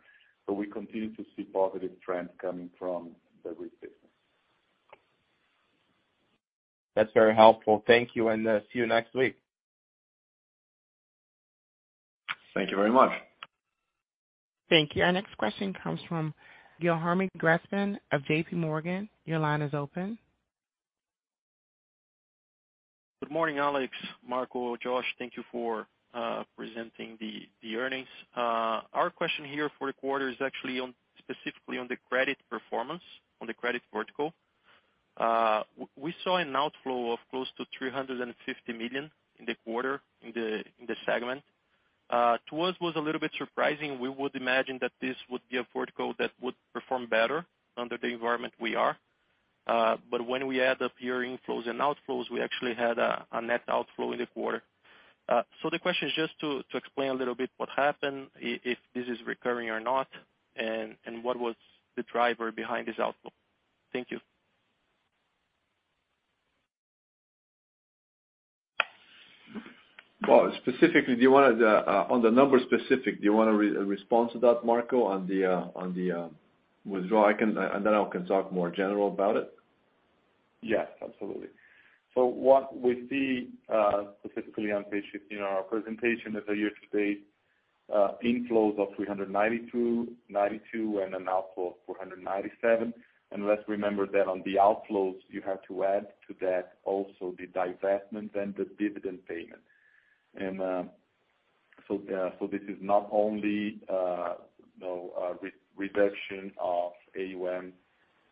We continue to see positive trends coming from the grid business. That's very helpful. Thank you, and see you next week. Thank you very much. Thank you. Our next question comes from Guilherme Grespan of JPMorgan. Your line is open. Good morning, Alex, Marco, Josh. Thank you for presenting the earnings. Our question here for the quarter is actually on, specifically on the credit performance, on the credit vertical. We saw an outflow of close to $350 million in the quarter in the segment. To us was a little bit surprising. We would imagine that this would be a vertical that would perform better under the environment we are. When we add up your inflows and outflows, we actually had a net outflow in the quarter. The question is just to explain a little bit what happened, if this is recurring or not, and what was the driver behind this outflow. Thank you. Well, specifically do you wanna on the numbers specific, do you wanna response to that, Marco, on the withdrawal? I can and then I can talk more general about it. Yes, absolutely. What we see specifically on page 15 in our presentation is a year-to-date inflows of $392 and an outflow of $497. Let's remember that on the outflows you have to add to that also the divestment and the dividend payment. This is not only you know a reduction of AUM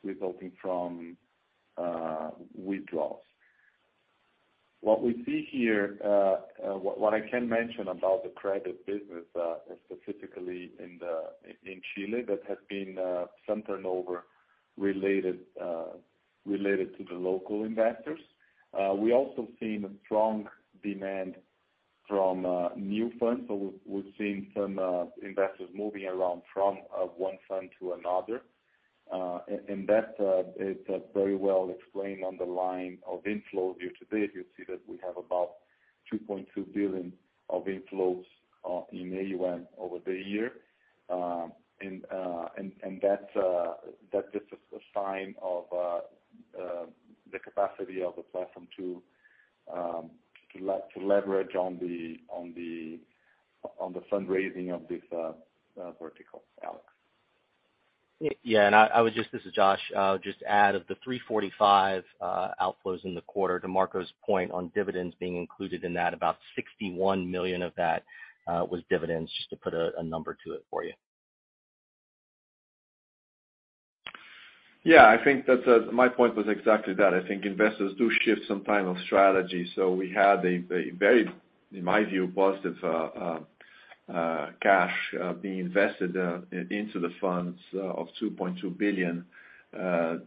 resulting from withdrawals. What we see here what I can mention about the credit business specifically in the in Chile that has been some turnover related related to the local investors. We also seen strong demand from new funds. We've seen some investors moving around from one fund to another. That is very well explained on the line of inflows year to date. You'll see that we have about $2.2 billion of inflows in AUM over the year. That's just a sign of the capacity of the platform to leverage on the fundraising of this vertical. Yeah. This is Josh. Just add to the $345 outflows in the quarter to Marco's point on dividends being included in that. About $61 million of that was dividends, just to put a number to it for you. Yeah. I think that my point was exactly that. I think investors do shift some kind of strategy. We had a very, in my view, positive cash being invested into the funds of $2.2 billion.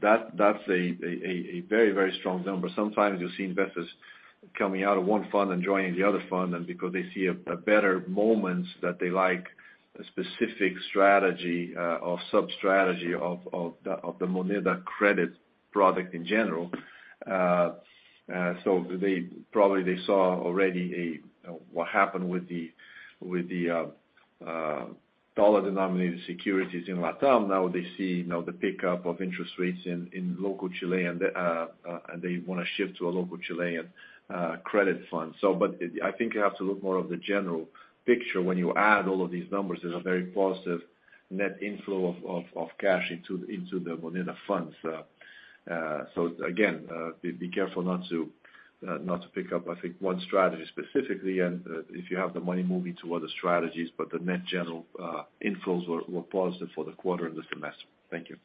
That's a very strong number. Sometimes you'll see investors coming out of one fund and joining the other fund, and because they see a better moments that they like a specific strategy or sub-strategy of the Moneda credit product in general. They probably saw already what happened with the dollar-denominated securities in Latam. Now they see, you know, the pickup of interest rates in local Chile and they wanna shift to a local Chilean credit fund. I think you have to look more at the general picture. When you add all of these numbers, there's a very positive net inflow of cash into the Moneda funds. Again, be careful not to pick up one strategy specifically and if you have the money moving to other strategies. The net general inflows were positive for the quarter and this semester. Thank you.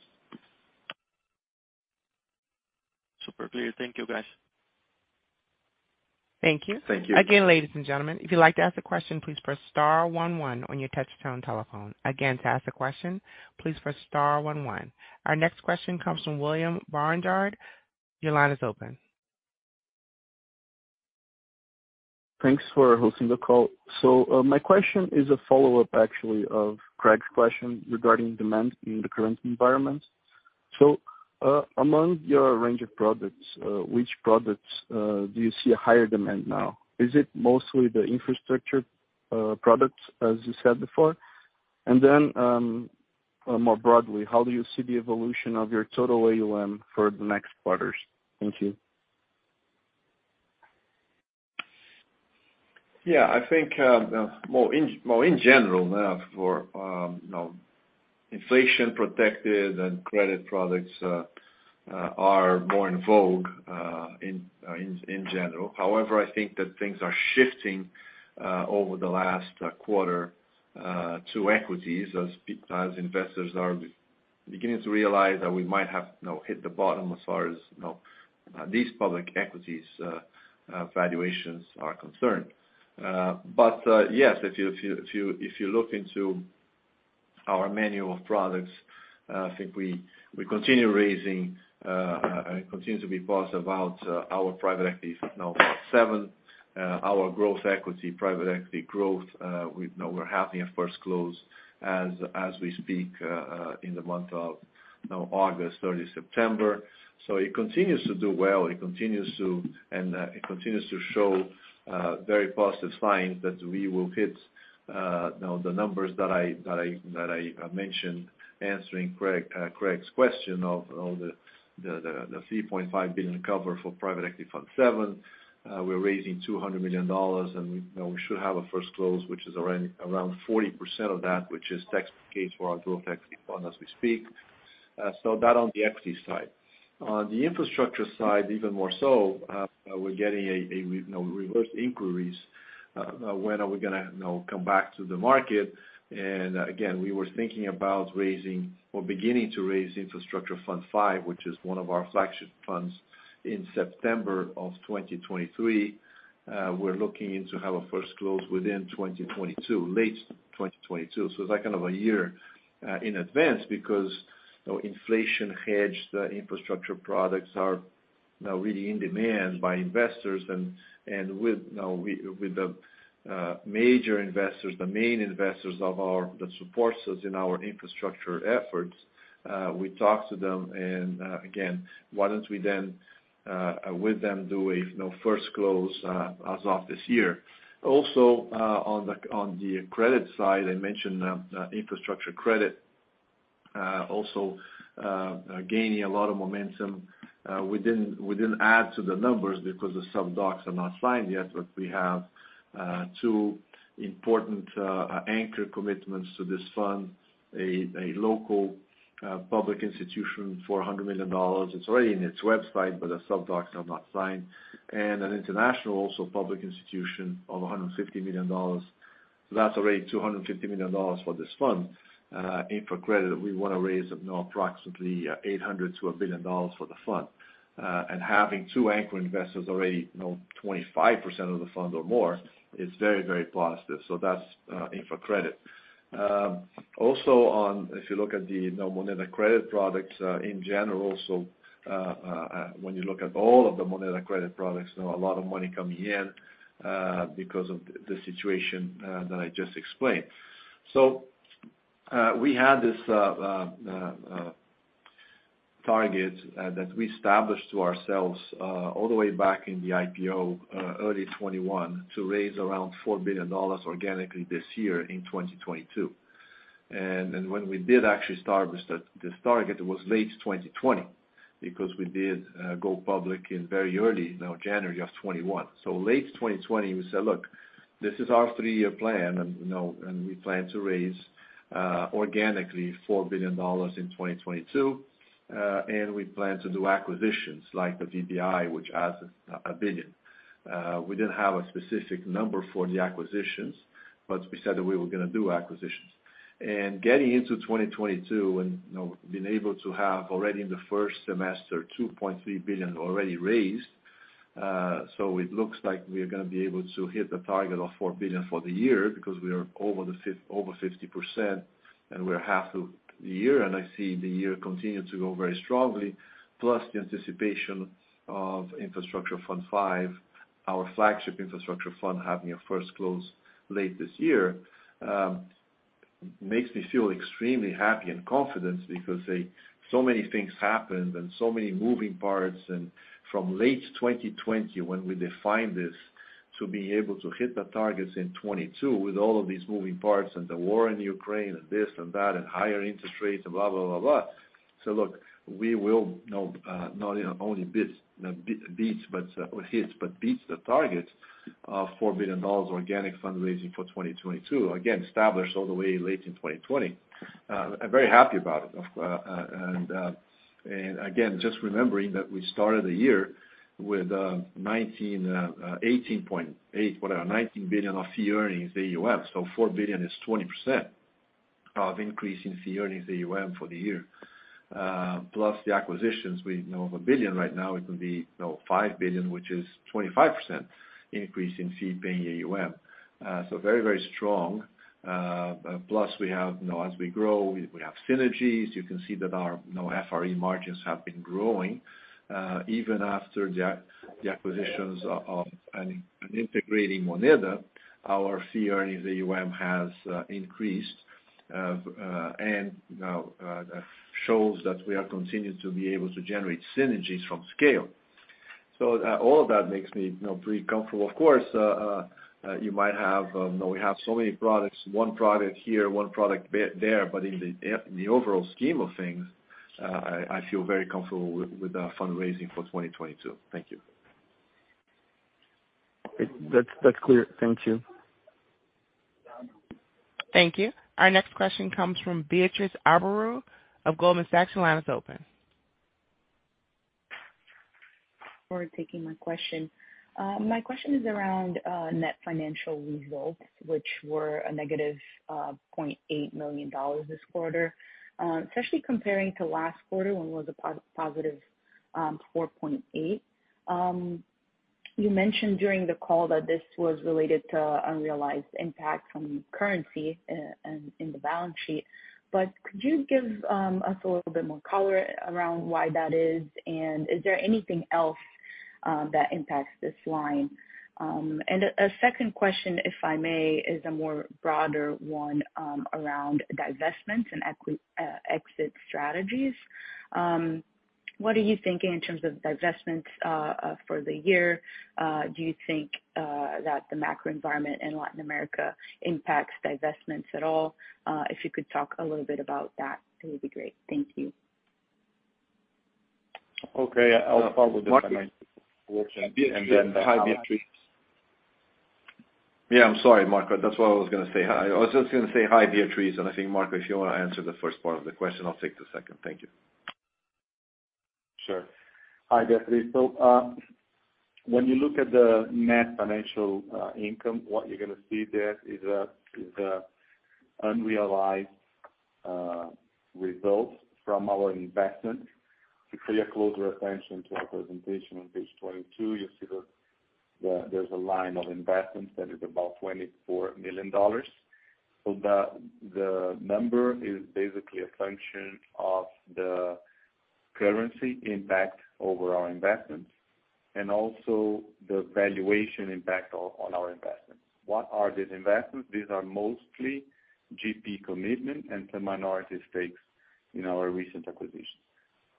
Super clear. Thank you, guys. Thank you. Thank you. Again, ladies and gentlemen, if you'd like to ask a question, please press star one one on your touchtone telephone. Again, to ask a question, please press star one one. Our next question comes from William Barnard. Your line is open. Thanks for hosting the call. My question is a follow-up actually of Craig's question regarding demand in the current environment. Among your range of products, which products do you see a higher demand now? Is it mostly the infrastructure products as you said before? More broadly, how do you see the evolution of your total AUM for the next quarters? Thank you. Yeah. I think, well, in general now for, you know, inflation protected and credit products, are more in vogue, in general. However, I think that things are shifting, over the last, quarter. To equities as investors are beginning to realize that we might have, you know, hit the bottom as far as, you know, these public equities valuations are concerned. Yes, if you look into our menu of products, I think we continue raising and continue to be positive about our private equities. Now seven, our growth equity, private equity growth, we know we're having a first close as we speak in the month of, you know, August, early September. So it continues to do well. It continues to show very positive signs that we will hit, you know, the numbers that I mentioned answering Craig's question of the $3.5 billion cover for private equity fund seven. We're raising $200 million, and we, you know, we should have a first close, which is around 40% of that, which takes place for our growth equity fund as we speak. So that on the equity side. On the infrastructure side, even more so, we're getting reverse inquiries, when are we gonna, you know, come back to the market? Again, we were thinking about raising or beginning to raise infrastructure fund five, which is one of our flagship funds in September of 2023. We're looking to have a first close within 2022, late 2022. It's like kind of a year in advance because, you know, inflation hedge, the infrastructure products are, you know, really in demand by investors and with, you know, with the major investors, the main investors of ours that support us in our infrastructure efforts, we talk to them and again, why don't we then with them do a, you know, first close as of this year. Also, on the credit side, I mentioned infrastructure credit also gaining a lot of momentum. We didn't add to the numbers because the sub docs are not signed yet, but we have two important anchor commitments to this fund. A local public institution for $100 million. It's already in its website, but the sub docs are not signed. An international, also public institution of $150 million. That's already $250 million for this fund. Infra credit, we wanna raise, you know, approximately $800 million-$1 billion for the fund. Having two anchor investors already, you know, 25% of the fund or more, it's very, very positive. That's infra credit. Also, if you look at the, you know, Moneda credit products in general, when you look at all of the Moneda credit products, you know, a lot of money coming in because of the situation that I just explained. We had this target that we established to ourselves all the way back in the IPO early 2021 to raise around $4 billion organically this year in 2022. When we did actually start with this target, it was late 2020, because we did go public in very early, you know, January of 2021. Late 2020, we said, "Look, this is our three-year plan, and you know, and we plan to raise organically $4 billion in 2022, and we plan to do acquisitions like the VBI, which adds a $1 billion." We didn't have a specific number for the acquisitions, but we said that we were gonna do acquisitions. Getting into 2022 and, you know, being able to have already in the first semester $2.3 billion already raised, so it looks like we are gonna be able to hit the target of $4 billion for the year because we are over 50% and we're half of the year, and I see the year continue to go very strongly. Plus the anticipation of infrastructure fund 5, our flagship infrastructure fund, having a first close late this year, makes me feel extremely happy and confident because so many things happened and so many moving parts. From late 2020 when we defined this to be able to hit the targets in 2022 with all of these moving parts and the war in Ukraine and this and that and higher interest rates and blah, blah. Look, we will, you know, not only beats but also hits the targets of $4 billion organic fundraising for 2022. Again, established all the way late in 2020. I'm very happy about it. And again, just remembering that we started the year with 18.8, whatever, 19 billion of fee-earning AUM. $4 billion is 20% increase in fee-earning AUM for the year. Plus the acquisitions we, you know, of $1 billion right now, it will be, you know, $5 billion, which is 25% increase in fee-paying AUM. Very, very strong. Plus we have, you know, as we grow, we have synergies. You can see that our, you know, FRE margins have been growing even after the acquisitions and integrating Moneda, our fee-earning AUM has increased and you know shows that we are continuing to be able to generate synergies from scale. All of that makes me, you know, pretty comfortable. Of course, you might have, you know, we have so many products, one product here, one product there, but in the overall scheme of things, I feel very comfortable with our fundraising for 2022. Thank you. That's clear. Thank you. Thank you. Our next question comes from Beatriz Abreu of Goldman Sachs. Your line is open. for taking my question. My question is around net financial results, which were a negative $0.8 million this quarter. Especially comparing to last quarter when it was a positive $4.8 million. You mentioned during the call that this was related to unrealized impact from currency and in the balance sheet. Could you give us a little bit more color around why that is? Is there anything else that impacts this line? A second question, if I may, is a more broader one around divestments and exit strategies. What are you thinking in terms of divestments for the year? Do you think that the macro environment in Latin America impacts divestments at all? If you could talk a little bit about that would be great. Thank you. Okay. I'll follow with and then. Hi, Beatriz. Yeah. I'm sorry, Marco. That's why I was gonna say hi. I was just gonna say hi, Beatriz. I think, Marco, if you wanna answer the first part of the question, I'll take the second. Thank you. Sure. Hi, Beatriz. When you look at the net financial income, what you're gonna see there is unrealized results from our investment. If you pay closer attention to our presentation on page 22, you'll see there's a line of investments that is about $24 million. The number is basically a function of the currency impact over our investments and also the valuation impact on our investments. What are these investments? These are mostly GP commitment and some minority stakes in our recent acquisitions.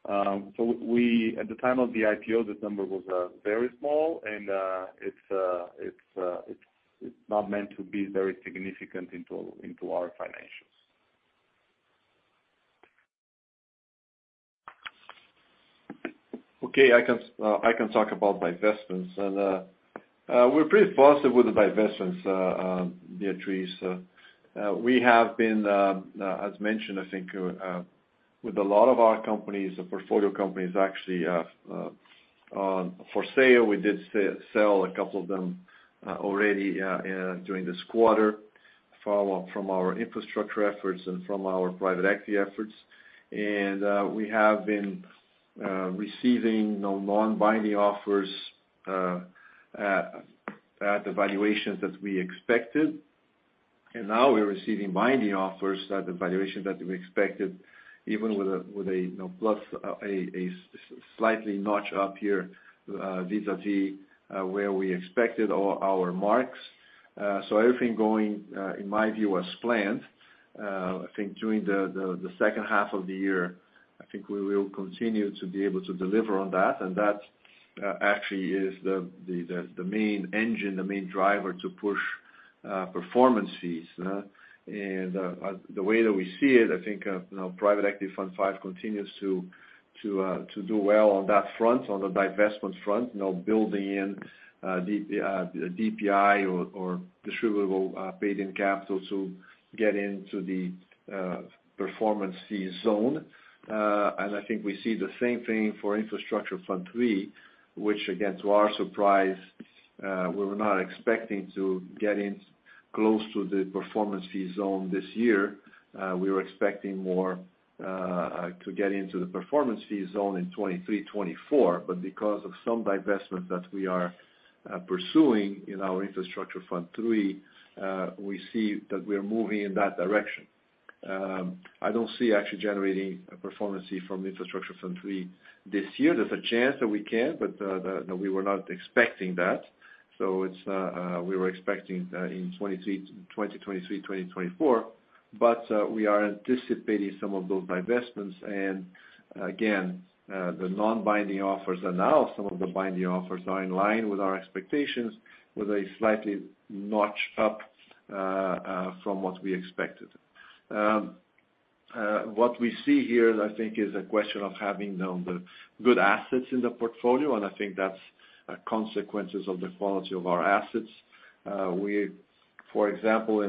We, at the time of the IPO, this number was very small and it's not meant to be very significant in our financials. Okay. I can talk about divestments. We're pretty positive with the divestments, Beatriz. We have been, as mentioned, I think, with a lot of our companies, the portfolio companies actually, up for sale. We did sell a couple of them already during this quarter from our infrastructure efforts and from our private equity efforts. We have been receiving non-binding offers at the valuations that we expected. Now we're receiving binding offers at the valuation that we expected, even with you know, plus, a slightly notch up here, vis-à-vis, where we expected our marks. Everything going, in my view, as planned. I think during the second half of the year, I think we will continue to be able to deliver on that, and that actually is the main engine, the main driver to push performance fees, and the way that we see it, I think, you know, private equity fund five continues to do well on that front, on the divestment front. You know, building in the DPI or distributable paid-in capital to get into the performance fee zone. I think we see the same thing for infrastructure fund three, which again, to our surprise, we were not expecting to get in close to the performance fee zone this year. We were expecting more to get into the performance fee zone in 2023, 2024. Because of some divestment that we are pursuing in our Infrastructure Fund 3, we see that we are moving in that direction. I don't see actually generating a performance fee from Infrastructure Fund 3 this year. There's a chance that we can, but, you know, we were not expecting that. We were expecting in 2023, 2024, but we are anticipating some of those divestments. Again, the non-binding offers and now some of the binding offers are in line with our expectations with a slight notch up from what we expected. What we see here, I think is a question of having, you know, the good assets in the portfolio, and I think that's consequences of the quality of our assets. We, for example,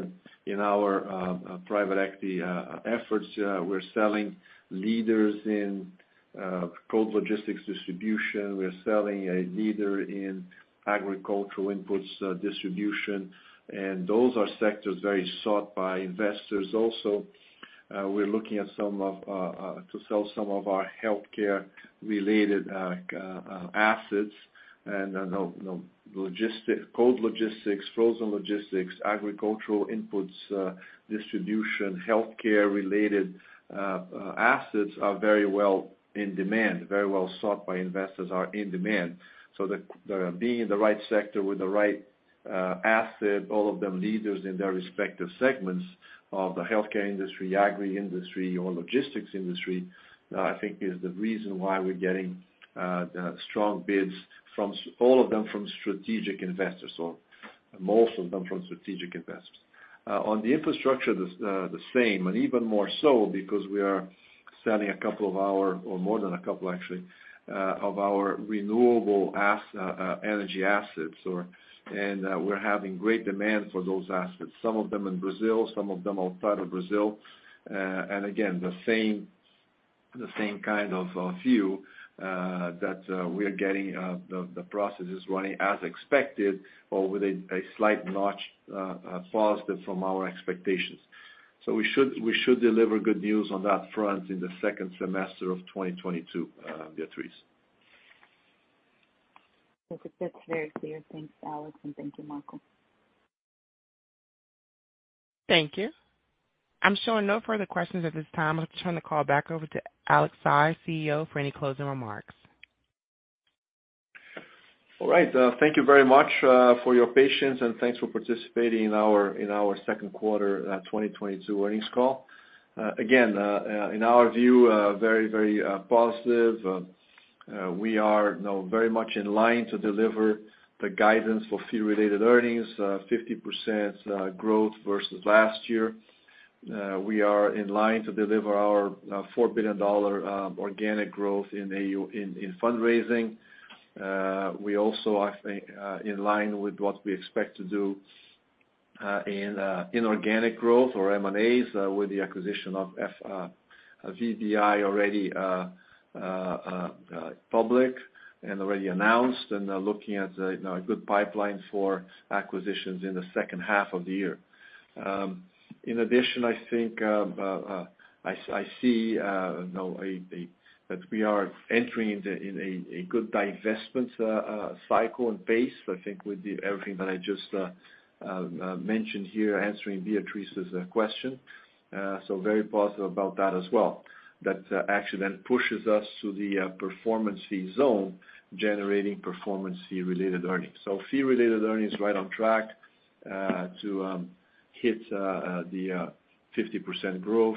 in our private equity efforts, we're selling leaders in cold logistics distribution. We're selling a leader in agricultural inputs distribution, and those are sectors very sought by investors also. We're looking to sell some of our healthcare related assets and, you know, cold logistics, frozen logistics, agricultural inputs distribution, healthcare related assets are very well in demand, very well sought by investors, are in demand. The being in the right sector with the right asset, all of them leaders in their respective segments of the healthcare industry, agri industry or logistics industry, I think is the reason why we're getting strong bids from all of them from strategic investors or most of them from strategic investors. On the infrastructure, the same and even more so because we are selling a couple of our, or more than a couple actually, of our renewable energy assets. We're having great demand for those assets. Some of them in Brazil, some of them outside of Brazil. Again, the same kind of view that we are getting, the process is running as expected or with a slight notch positive from our expectations. We should deliver good news on that front in the second semester of 2022, Beatriz. Okay. That's very clear. Thanks, Alex, and thank you, Marco. Thank you. I'm showing no further questions at this time. I'll turn the call back over to Alex Saigh, CEO, for any closing remarks. All right. Thank you very much for your patience, and thanks for participating in our second quarter 2022 earnings call. Again, in our view, very positive. We are now very much in line to deliver the guidance for fee related earnings 50% growth versus last year. We are in line to deliver our $4 billion organic growth in fundraising. We also, I think, in line with what we expect to do in inorganic growth or M&As, with the acquisition of VBI already public and already announced, and looking at now a good pipeline for acquisitions in the second half of the year. In addition, I think, I see, you know, that we are entering into a good divestment cycle and pace, I think, with everything that I just mentioned here answering Beatriz's question. Very positive about that as well. That actually then pushes us to the performance fee zone, generating performance Fee-Related Earnings. Fee Related Earnings right on track to hit the 50% growth.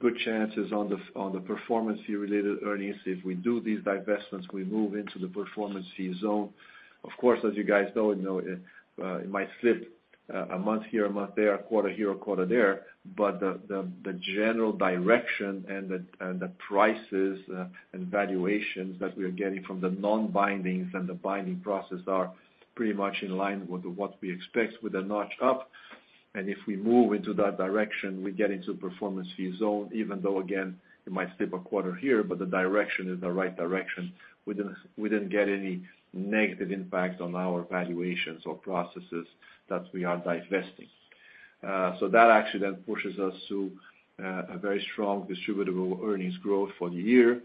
Good chances on the performance Fee-Related Earnings. If we do these divestments, we move into the performance fee zone. Of course, as you guys know, you know, it might slip a month here, a month there, a quarter here, a quarter there, but the general direction and the prices and valuations that we're getting from the non-bindings and the binding process are pretty much in line with what we expect with a notch up. If we move into that direction, we get into performance fee zone, even though, again, it might slip a quarter here, but the direction is the right direction. We didn't get any negative impact on our valuations or processes that we are divesting. That actually then pushes us to a very strong distributable earnings growth for the year.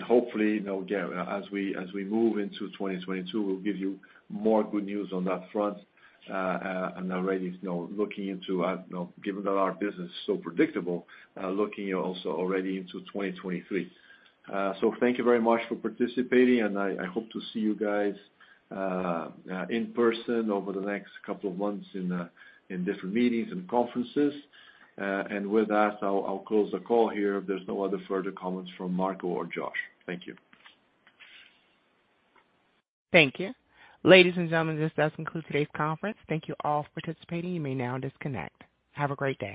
Hopefully, you know, again, as we move into 2022, we'll give you more good news on that front. Already, you know, looking into, you know, given that our business is so predictable, looking also already into 2023. Thank you very much for participating, and I hope to see you guys in person over the next couple of months in different meetings and conferences. With that, I'll close the call here if there's no other further comments from Marco or Josh. Thank you. Thank you. Ladies and gentlemen, this does conclude today's conference. Thank you all for participating. You may now disconnect. Have a great day.